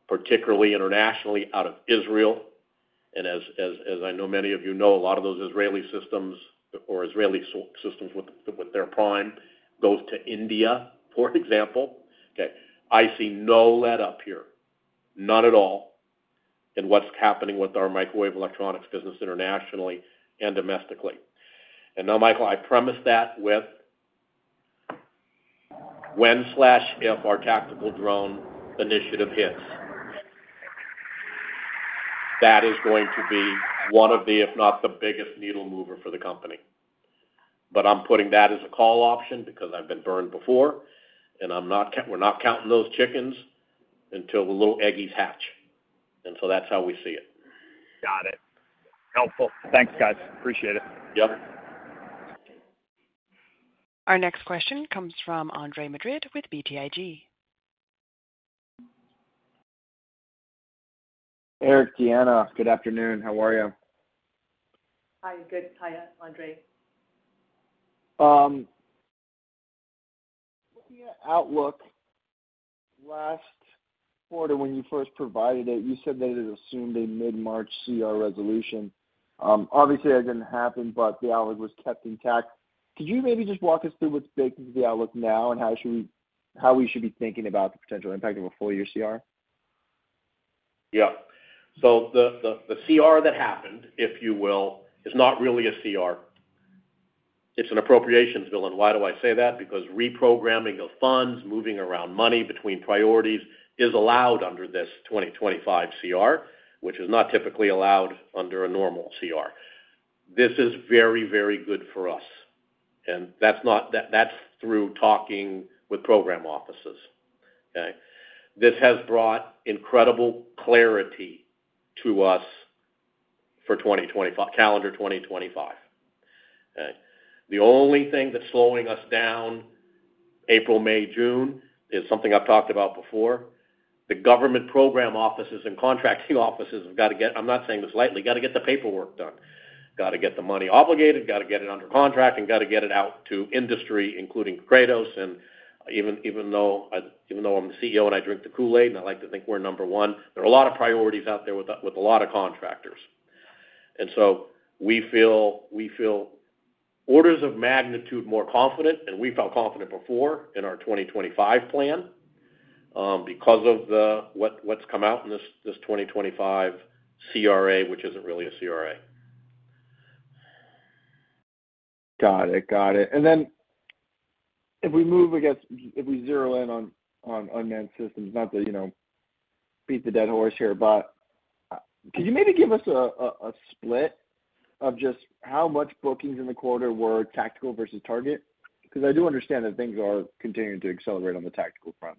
Speaker 3: particularly internationally out of Israel. As I know many of you know, a lot of those Israeli systems or Israeli systems with their prime goes to India, for example. I see no let-up here. None at all in what's happening with our microwave electronics business internationally and domestically. Now, Michael, I promise that when or if our tactical drone initiative hits, that is going to be one of the, if not the biggest needle mover for the company. I'm putting that as a call option because I've been burned before, and we're not counting those chickens until the little eggies hatch. That's how we see it. Got it. Helpful.
Speaker 9: Thanks, guys. Appreciate it.
Speaker 3: Yep.
Speaker 1: Our next question comes from Andre Madrid with BTIG.
Speaker 10: Eric, Deanna, good afternoon. How are you?
Speaker 4: Hi. Good. Hi, Andre.
Speaker 10: Looking at outlook last quarter, when you first provided it, you said that it assumed a mid-March CR resolution. Obviously, that did not happen, but the outlook was kept intact. Could you maybe just walk us through what is baked into the outlook now and how we should be thinking about the potential impact of a full-year CR?
Speaker 3: Yeah. The CR that happened, if you will, is not really a CR. It is an appropriations bill. Why do I say that? Because reprogramming of funds, moving around money between priorities, is allowed under this 2025 CR, which is not typically allowed under a normal CR. This is very, very good for us. That is through talking with program offices. This has brought incredible clarity to us for calendar 2025. The only thing that is slowing us down April, May, June is something I have talked about before. The government program offices and contracting offices have got to get—I am not saying this lightly—got to get the paperwork done. Got to get the money obligated, got to get it under contract, and got to get it out to industry, including Kratos. Even though I am the CEO and I drink the Kool-Aid and I like to think we are number one, there are a lot of priorities out there with a lot of contractors. We feel orders of magnitude more confident, and we felt confident before in our 2025 plan because of what has come out in this 2025 CRA, which is not really a CRA.
Speaker 10: Got it. Got it. If we move against—if we zero in on unmanned systems, not to beat the dead horse here, could you maybe give us a split of just how much bookings in the quarter were tactical versus target? Because I do understand that things are continuing to accelerate on the tactical front.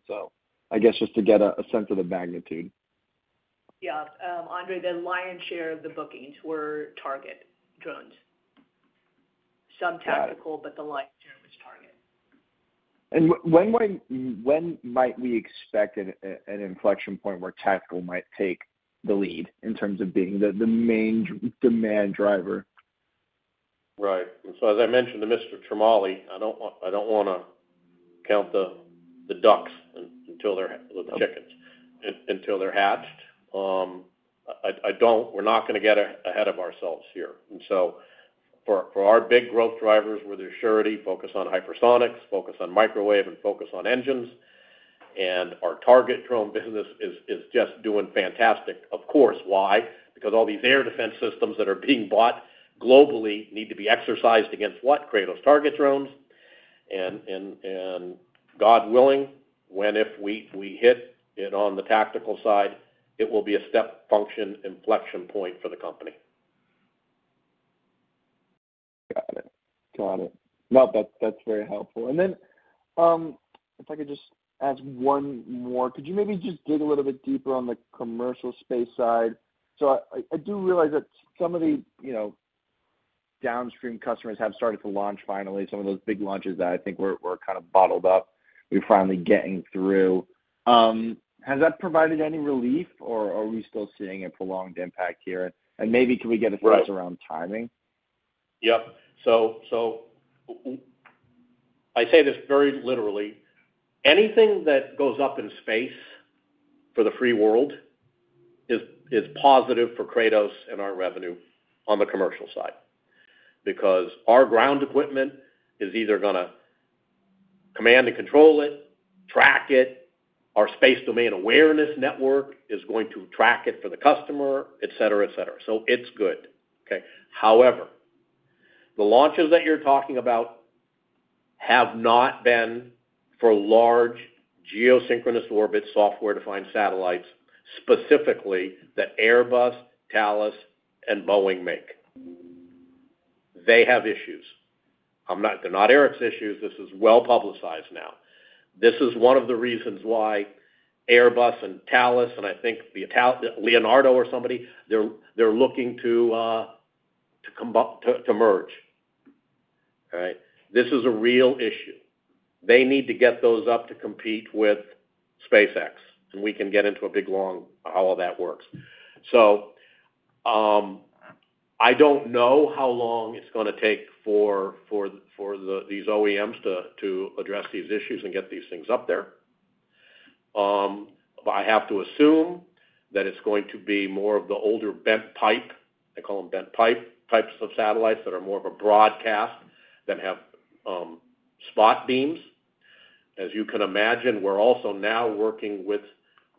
Speaker 10: I guess just to get a sense of the magnitude.
Speaker 4: Yeah. Andre, the lion's share of the bookings were target drones. Some tactical, but the lion's share was target.
Speaker 10: When might we expect an inflection point where tactical might take the lead in terms of being the main demand driver?
Speaker 3: Right. As I mentioned to Mr. Ciarmoli, I don't want to count the ducks until they're chickens, until they're hatched. We're not going to get ahead of ourselves here. For our big growth drivers, where there's surety, focus on hypersonics, focus on microwave, and focus on engines. Our target drone business is just doing fantastic. Of course. Why? Because all these air defense systems that are being bought globally need to be exercised against what? Kratos target drones. God willing, if we hit it on the tactical side, it will be a step function inflection point for the company.
Speaker 10: Got it. Got it. No, that's very helpful. If I could just ask one more, could you maybe just dig a little bit deeper on the commercial space side? I do realize that some of the downstream customers have started to launch finally, some of those big launches that I think were kind of bottled up. We're finally getting through. Has that provided any relief, or are we still seeing a prolonged impact here? Maybe can we get a sense around timing?
Speaker 3: Yep. I say this very literally. Anything that goes up in space for the free world is positive for Kratos and our revenue on the commercial side because our ground equipment is either going to command and control it, track it. Our space domain awareness network is going to track it for the customer, etc., etc. It is good. However, the launches that you are talking about have not been for large geosynchronous orbit software-defined satellites, specifically that Airbus, Thales, and Boeing make. They have issues. They are not Eric's issues. This is well publicized now. This is one of the reasons why Airbus and Thales, and I think Leonardo or somebody, they are looking to merge. This is a real issue. They need to get those up to compete with SpaceX. We can get into a big long how all that works. I don't know how long it's going to take for these OEMs to address these issues and get these things up there. I have to assume that it's going to be more of the older bent pipe. I call them bent pipe types of satellites that are more of a broadcast that have spot beams. As you can imagine, we're also now working with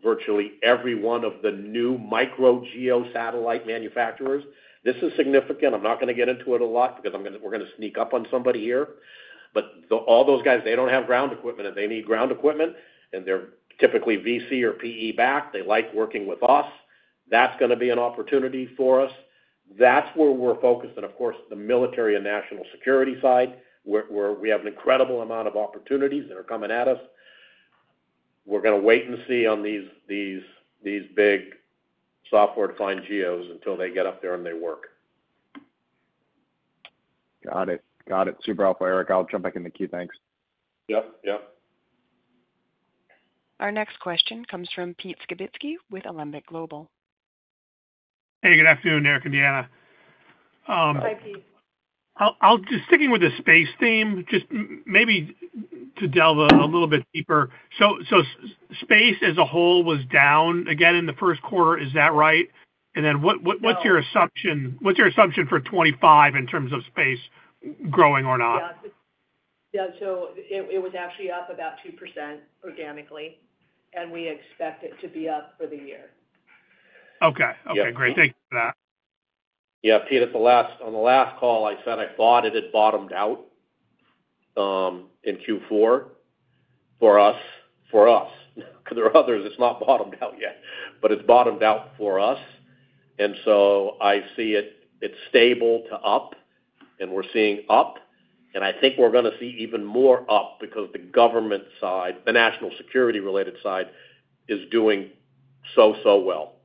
Speaker 3: virtually every one of the new micro geosatellite manufacturers. This is significant. I'm not going to get into it a lot because we're going to sneak up on somebody here. All those guys, they don't have ground equipment. If they need ground equipment, and they're typically VC or PE back, they like working with us. That's going to be an opportunity for us. That's where we're focused. Of course, the military and national security side, where we have an incredible amount of opportunities that are coming at us. We're going to wait and see on these big software-defined geos until they get up there and they work.
Speaker 10: Got it. Got it. Super helpful, Eric. I'll jump back in the queue. Thanks.
Speaker 3: Yep. Yep.
Speaker 1: Our next question comes from Pete Skibitzky with Alembic Global.
Speaker 11: Hey, good afternoon, Eric and Deanna.
Speaker 4: Hi, Pete.
Speaker 11: Sticking with the space theme, just maybe to delve a little bit deeper. Space as a whole was down again in the first quarter. Is that right? And then what's your assumption for 2025 in terms of space growing or not?
Speaker 4: Yeah. It was actually up about 2% organically, and we expect it to be up for the year.
Speaker 11: Okay. Okay. Great. Thank you for that.
Speaker 3: Yeah. Pete, on the last call, I said I thought it had bottomed out in Q4 for us. For others, it's not bottomed out yet, but it's bottomed out for us. I see it's stable to up, and we're seeing up. I think we're going to see even more up because the government side, the national security-related side, is doing so, so well.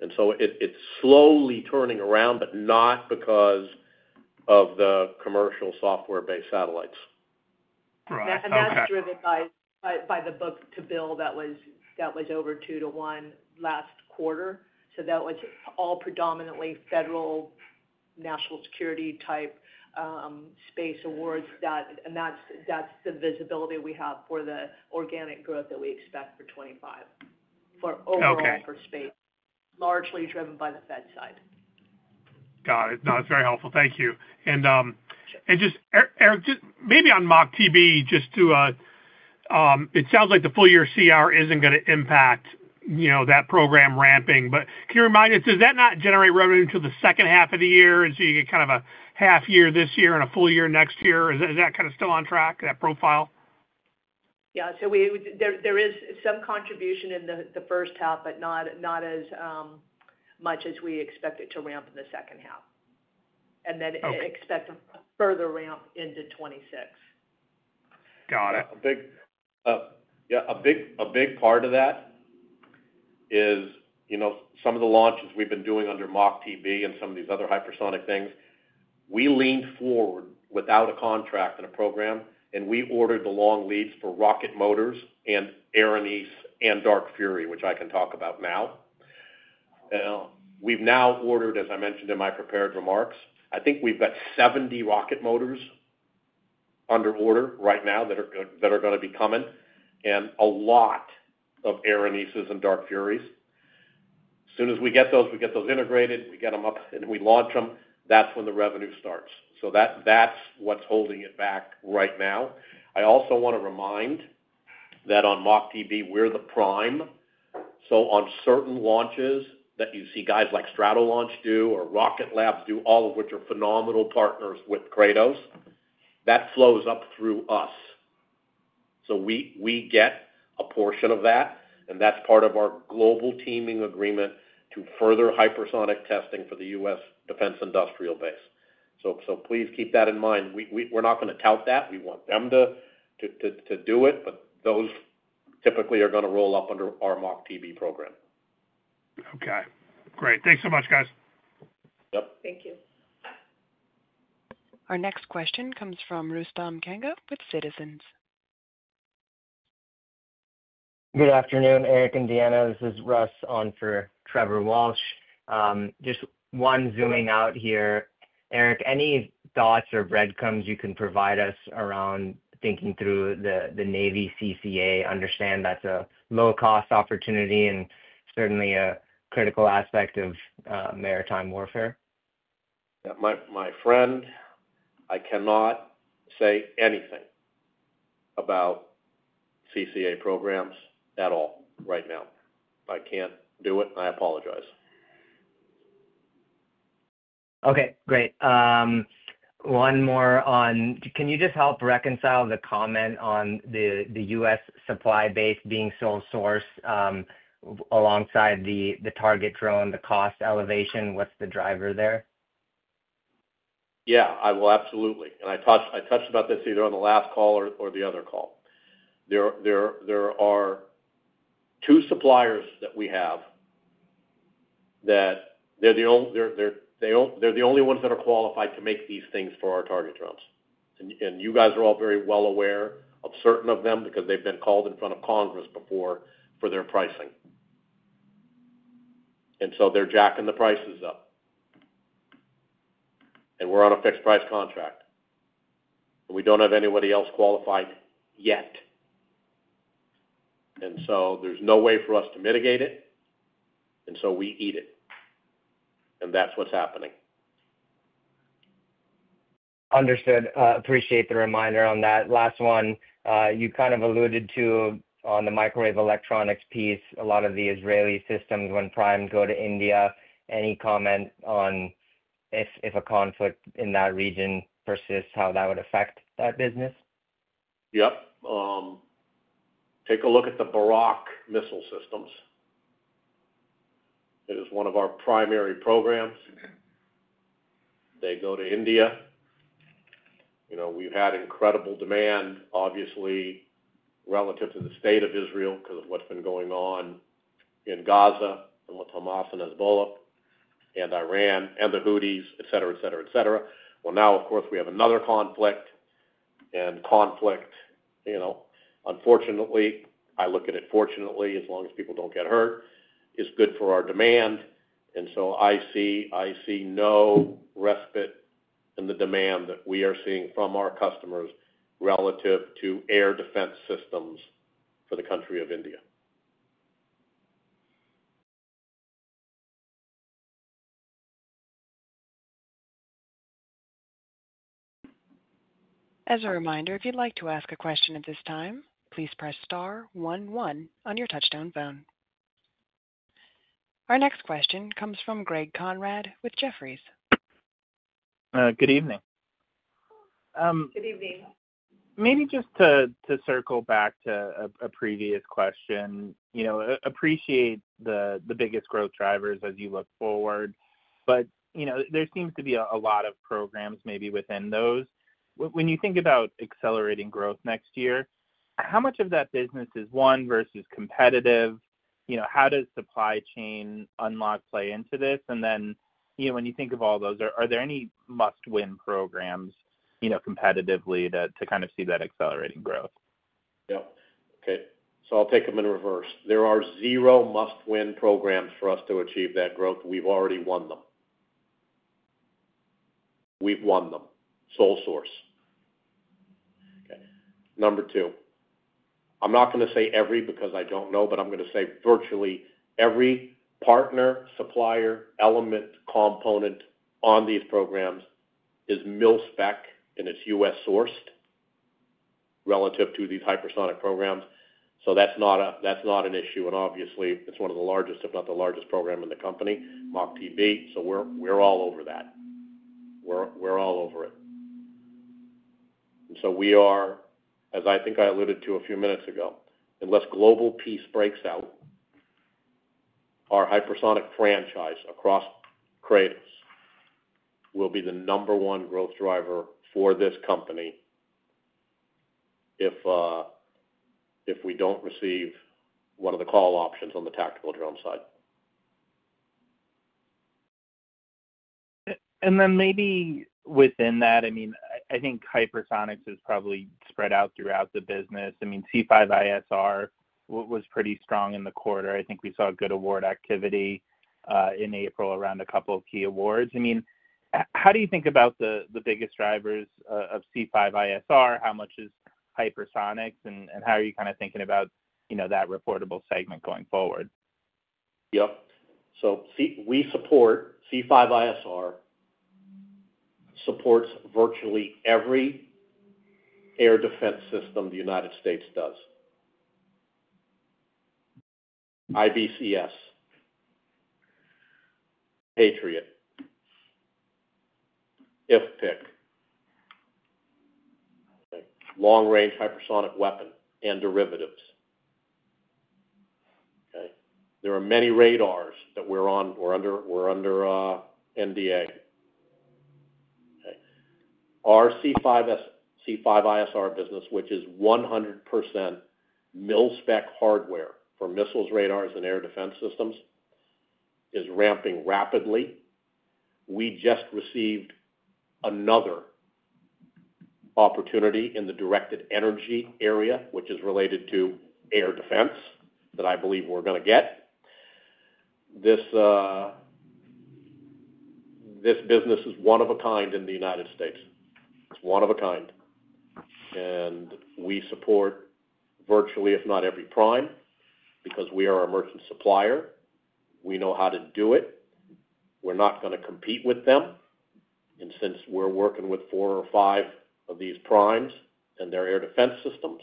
Speaker 3: It's slowly turning around, but not because of the commercial software-based satellites.
Speaker 11: Correct. <crosstalk>
Speaker 4: That's driven by the book-to-bill that was over 2 to 1 last quarter. That was all predominantly federal national security-type space awards. That's the visibility we have for the organic growth that we expect for 2025, overall for space. Largely driven by the Fed side.
Speaker 11: Got it. No, that's very helpful. Thank you. Just, Eric, maybe on Mock TB, it sounds like the full-year CR is not going to impact that program ramping. Can you remind us, does that not generate revenue until the second half of the year? You get kind of a half year this year and a full year next year. Is that still on track, that profile?
Speaker 4: Yeah. There is some contribution in the first half, but not as much as we expect it to ramp in the second half. Expect further ramp into 2026.
Speaker 11: Got it.
Speaker 3: A big part of that is some of the launches we have been doing under Mock TB and some of these other hypersonic things. We leaned forward without a contract and a program, and we ordered the long leads for rocket motors and Erinis and Dark Fury, which I can talk about now. We've now ordered, as I mentioned in my prepared remarks, I think we've got 70 rocket motors under order right now that are going to be coming and a lot of Erinis and Dark Furies. As soon as we get those, we get those integrated, we get them up, and we launch them. That's when the revenue starts. That's what's holding it back right now. I also want to remind that on Mock TB, we're the prime. On certain launches that you see guys like Stratolaunch do or Rocket Labs do, all of which are phenomenal partners with Kratos, that flows up through us. We get a portion of that, and that's part of our global teaming agreement to further hypersonic testing for the U.S. defense industrial base. Please keep that in mind. We're not going to tout that. We want them to do it, but those typically are going to roll up under our Mock TB program.
Speaker 11: Okay. Great. Thanks so much, guys.
Speaker 3: Yep.
Speaker 4: Thank you.
Speaker 1: Our next question comes from Rustam Kanga with Citizens.
Speaker 12: Good afternoon, Eric and Deanna. This is Russ on for Trevor Walsh. Just one zooming out here. Eric, any thoughts or breadcrumbs you can provide us around thinking through the Navy CCA? Understand that's a low-cost opportunity and certainly a critical aspect of maritime warfare.
Speaker 3: My friend, I cannot say anything about CCA programs at all right now. I can't do it. I apologize.
Speaker 12: Okay. Great. One more on, can you just help reconcile the comment on the U.S. supply base being sole source alongside the target drone, the cost elevation? What's the driver there?
Speaker 3: Yeah. Absolutely. I touched about this either on the last call or the other call. There are two suppliers that we have that they're the only ones that are qualified to make these things for our target drones. You guys are all very well aware of certain of them because they've been called in front of Congress before for their pricing. They're jacking the prices up. We're on a fixed-price contract. We don't have anybody else qualified yet. There's no way for us to mitigate it. We eat it. That's what's happening.
Speaker 12: Understood. Appreciate the reminder on that. Last one, you kind of alluded to on the microwave electronics piece, a lot of the Israeli systems when prime go to India. Any comment on if a conflict in that region persists, how that would affect that business?
Speaker 3: Yep. Take a look at the Barak missile systems. It is one of our primary programs. They go to India. We've had incredible demand, obviously, relative to the state of Israel because of what's been going on in Gaza and with Hamas and Hezbollah and Iran and the Houthis, etc., etc., etc. Now, of course, we have another conflict. Conflict, unfortunately, I look at it fortunately as long as people don't get hurt, is good for our demand. I see no respite in the demand that we are seeing from our customers relative to air defense systems for the country of India.
Speaker 1: As a reminder, if you'd like to ask a question at this time, please press star 11 on your touch-tone phone. Our next question comes from Greg Conrad with Jefferies.
Speaker 13: Good evening.
Speaker 4: Good evening.
Speaker 13: Maybe just to circle back to a previous question, appreciate the biggest growth drivers as you look forward. There seems to be a lot of programs maybe within those. When you think about accelerating growth next year, how much of that business is won versus competitive? How does supply chain unlock play into this? When you think of all those, are there any must-win programs competitively to kind of see that accelerating growth?
Speaker 3: Yep. Okay. I'll take them in reverse. There are zero must-win programs for us to achieve that growth. We've already won them. We've won them. Sole source. Okay. Number two. I'm not going to say every because I don't know, but I'm going to say virtually every partner, supplier, element, component on these programs is mill spec, and it's U.S.-sourced relative to these hypersonic programs. That's not an issue. Obviously, it's one of the largest, if not the largest program in the company, Mock TB. We're all over that. We're all over it. We are, as I think I alluded to a few minutes ago, unless Global Peace breaks out, our hypersonic franchise across Kratos will be the number one growth driver for this company if we don't receive one of the call options on the tactical drone side.
Speaker 13: Maybe within that, I mean, I think hypersonics is probably spread out throughout the business. I mean, C5ISR was pretty strong in the quarter. I think we saw good award activity in April around a couple of key awards. I mean, how do you think about the biggest drivers of C5ISR? How much is hypersonics? And how are you kind of thinking about that reportable segment going forward?
Speaker 3: Yep. We support C5ISR supports virtually every air defense system the United States does. IBCS, Patriot, IFTTTC, long-range hypersonic weapon and derivatives. There are many radars that we're on or under NDA. Our C5ISR business, which is 100% mill spec hardware for missiles, radars, and air defense systems, is ramping rapidly. We just received another opportunity in the directed energy area, which is related to air defense that I believe we're going to get. This business is one of a kind in the United States. It's one of a kind. We support virtually, if not every prime, because we are a merchant supplier. We know how to do it. We're not going to compete with them. Since we're working with four or five of these primes and their air defense systems,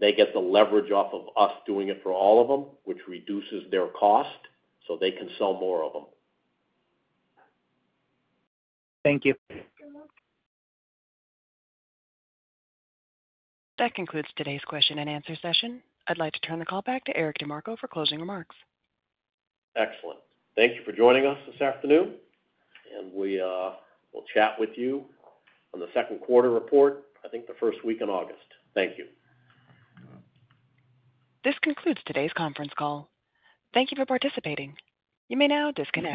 Speaker 3: they get the leverage off of us doing it for all of them, which reduces their cost so they can sell more of them.
Speaker 13: Thank you.
Speaker 1: That concludes today's question and answer session. I'd like to turn the call back to Eric DeMarco for closing remarks.
Speaker 3: Excellent. Thank you for joining us this afternoon. We'll chat with you on the second quarter report, I think the first week in August. Thank you.
Speaker 1: This concludes today's conference call. Thank you for participating. You may now disconnect.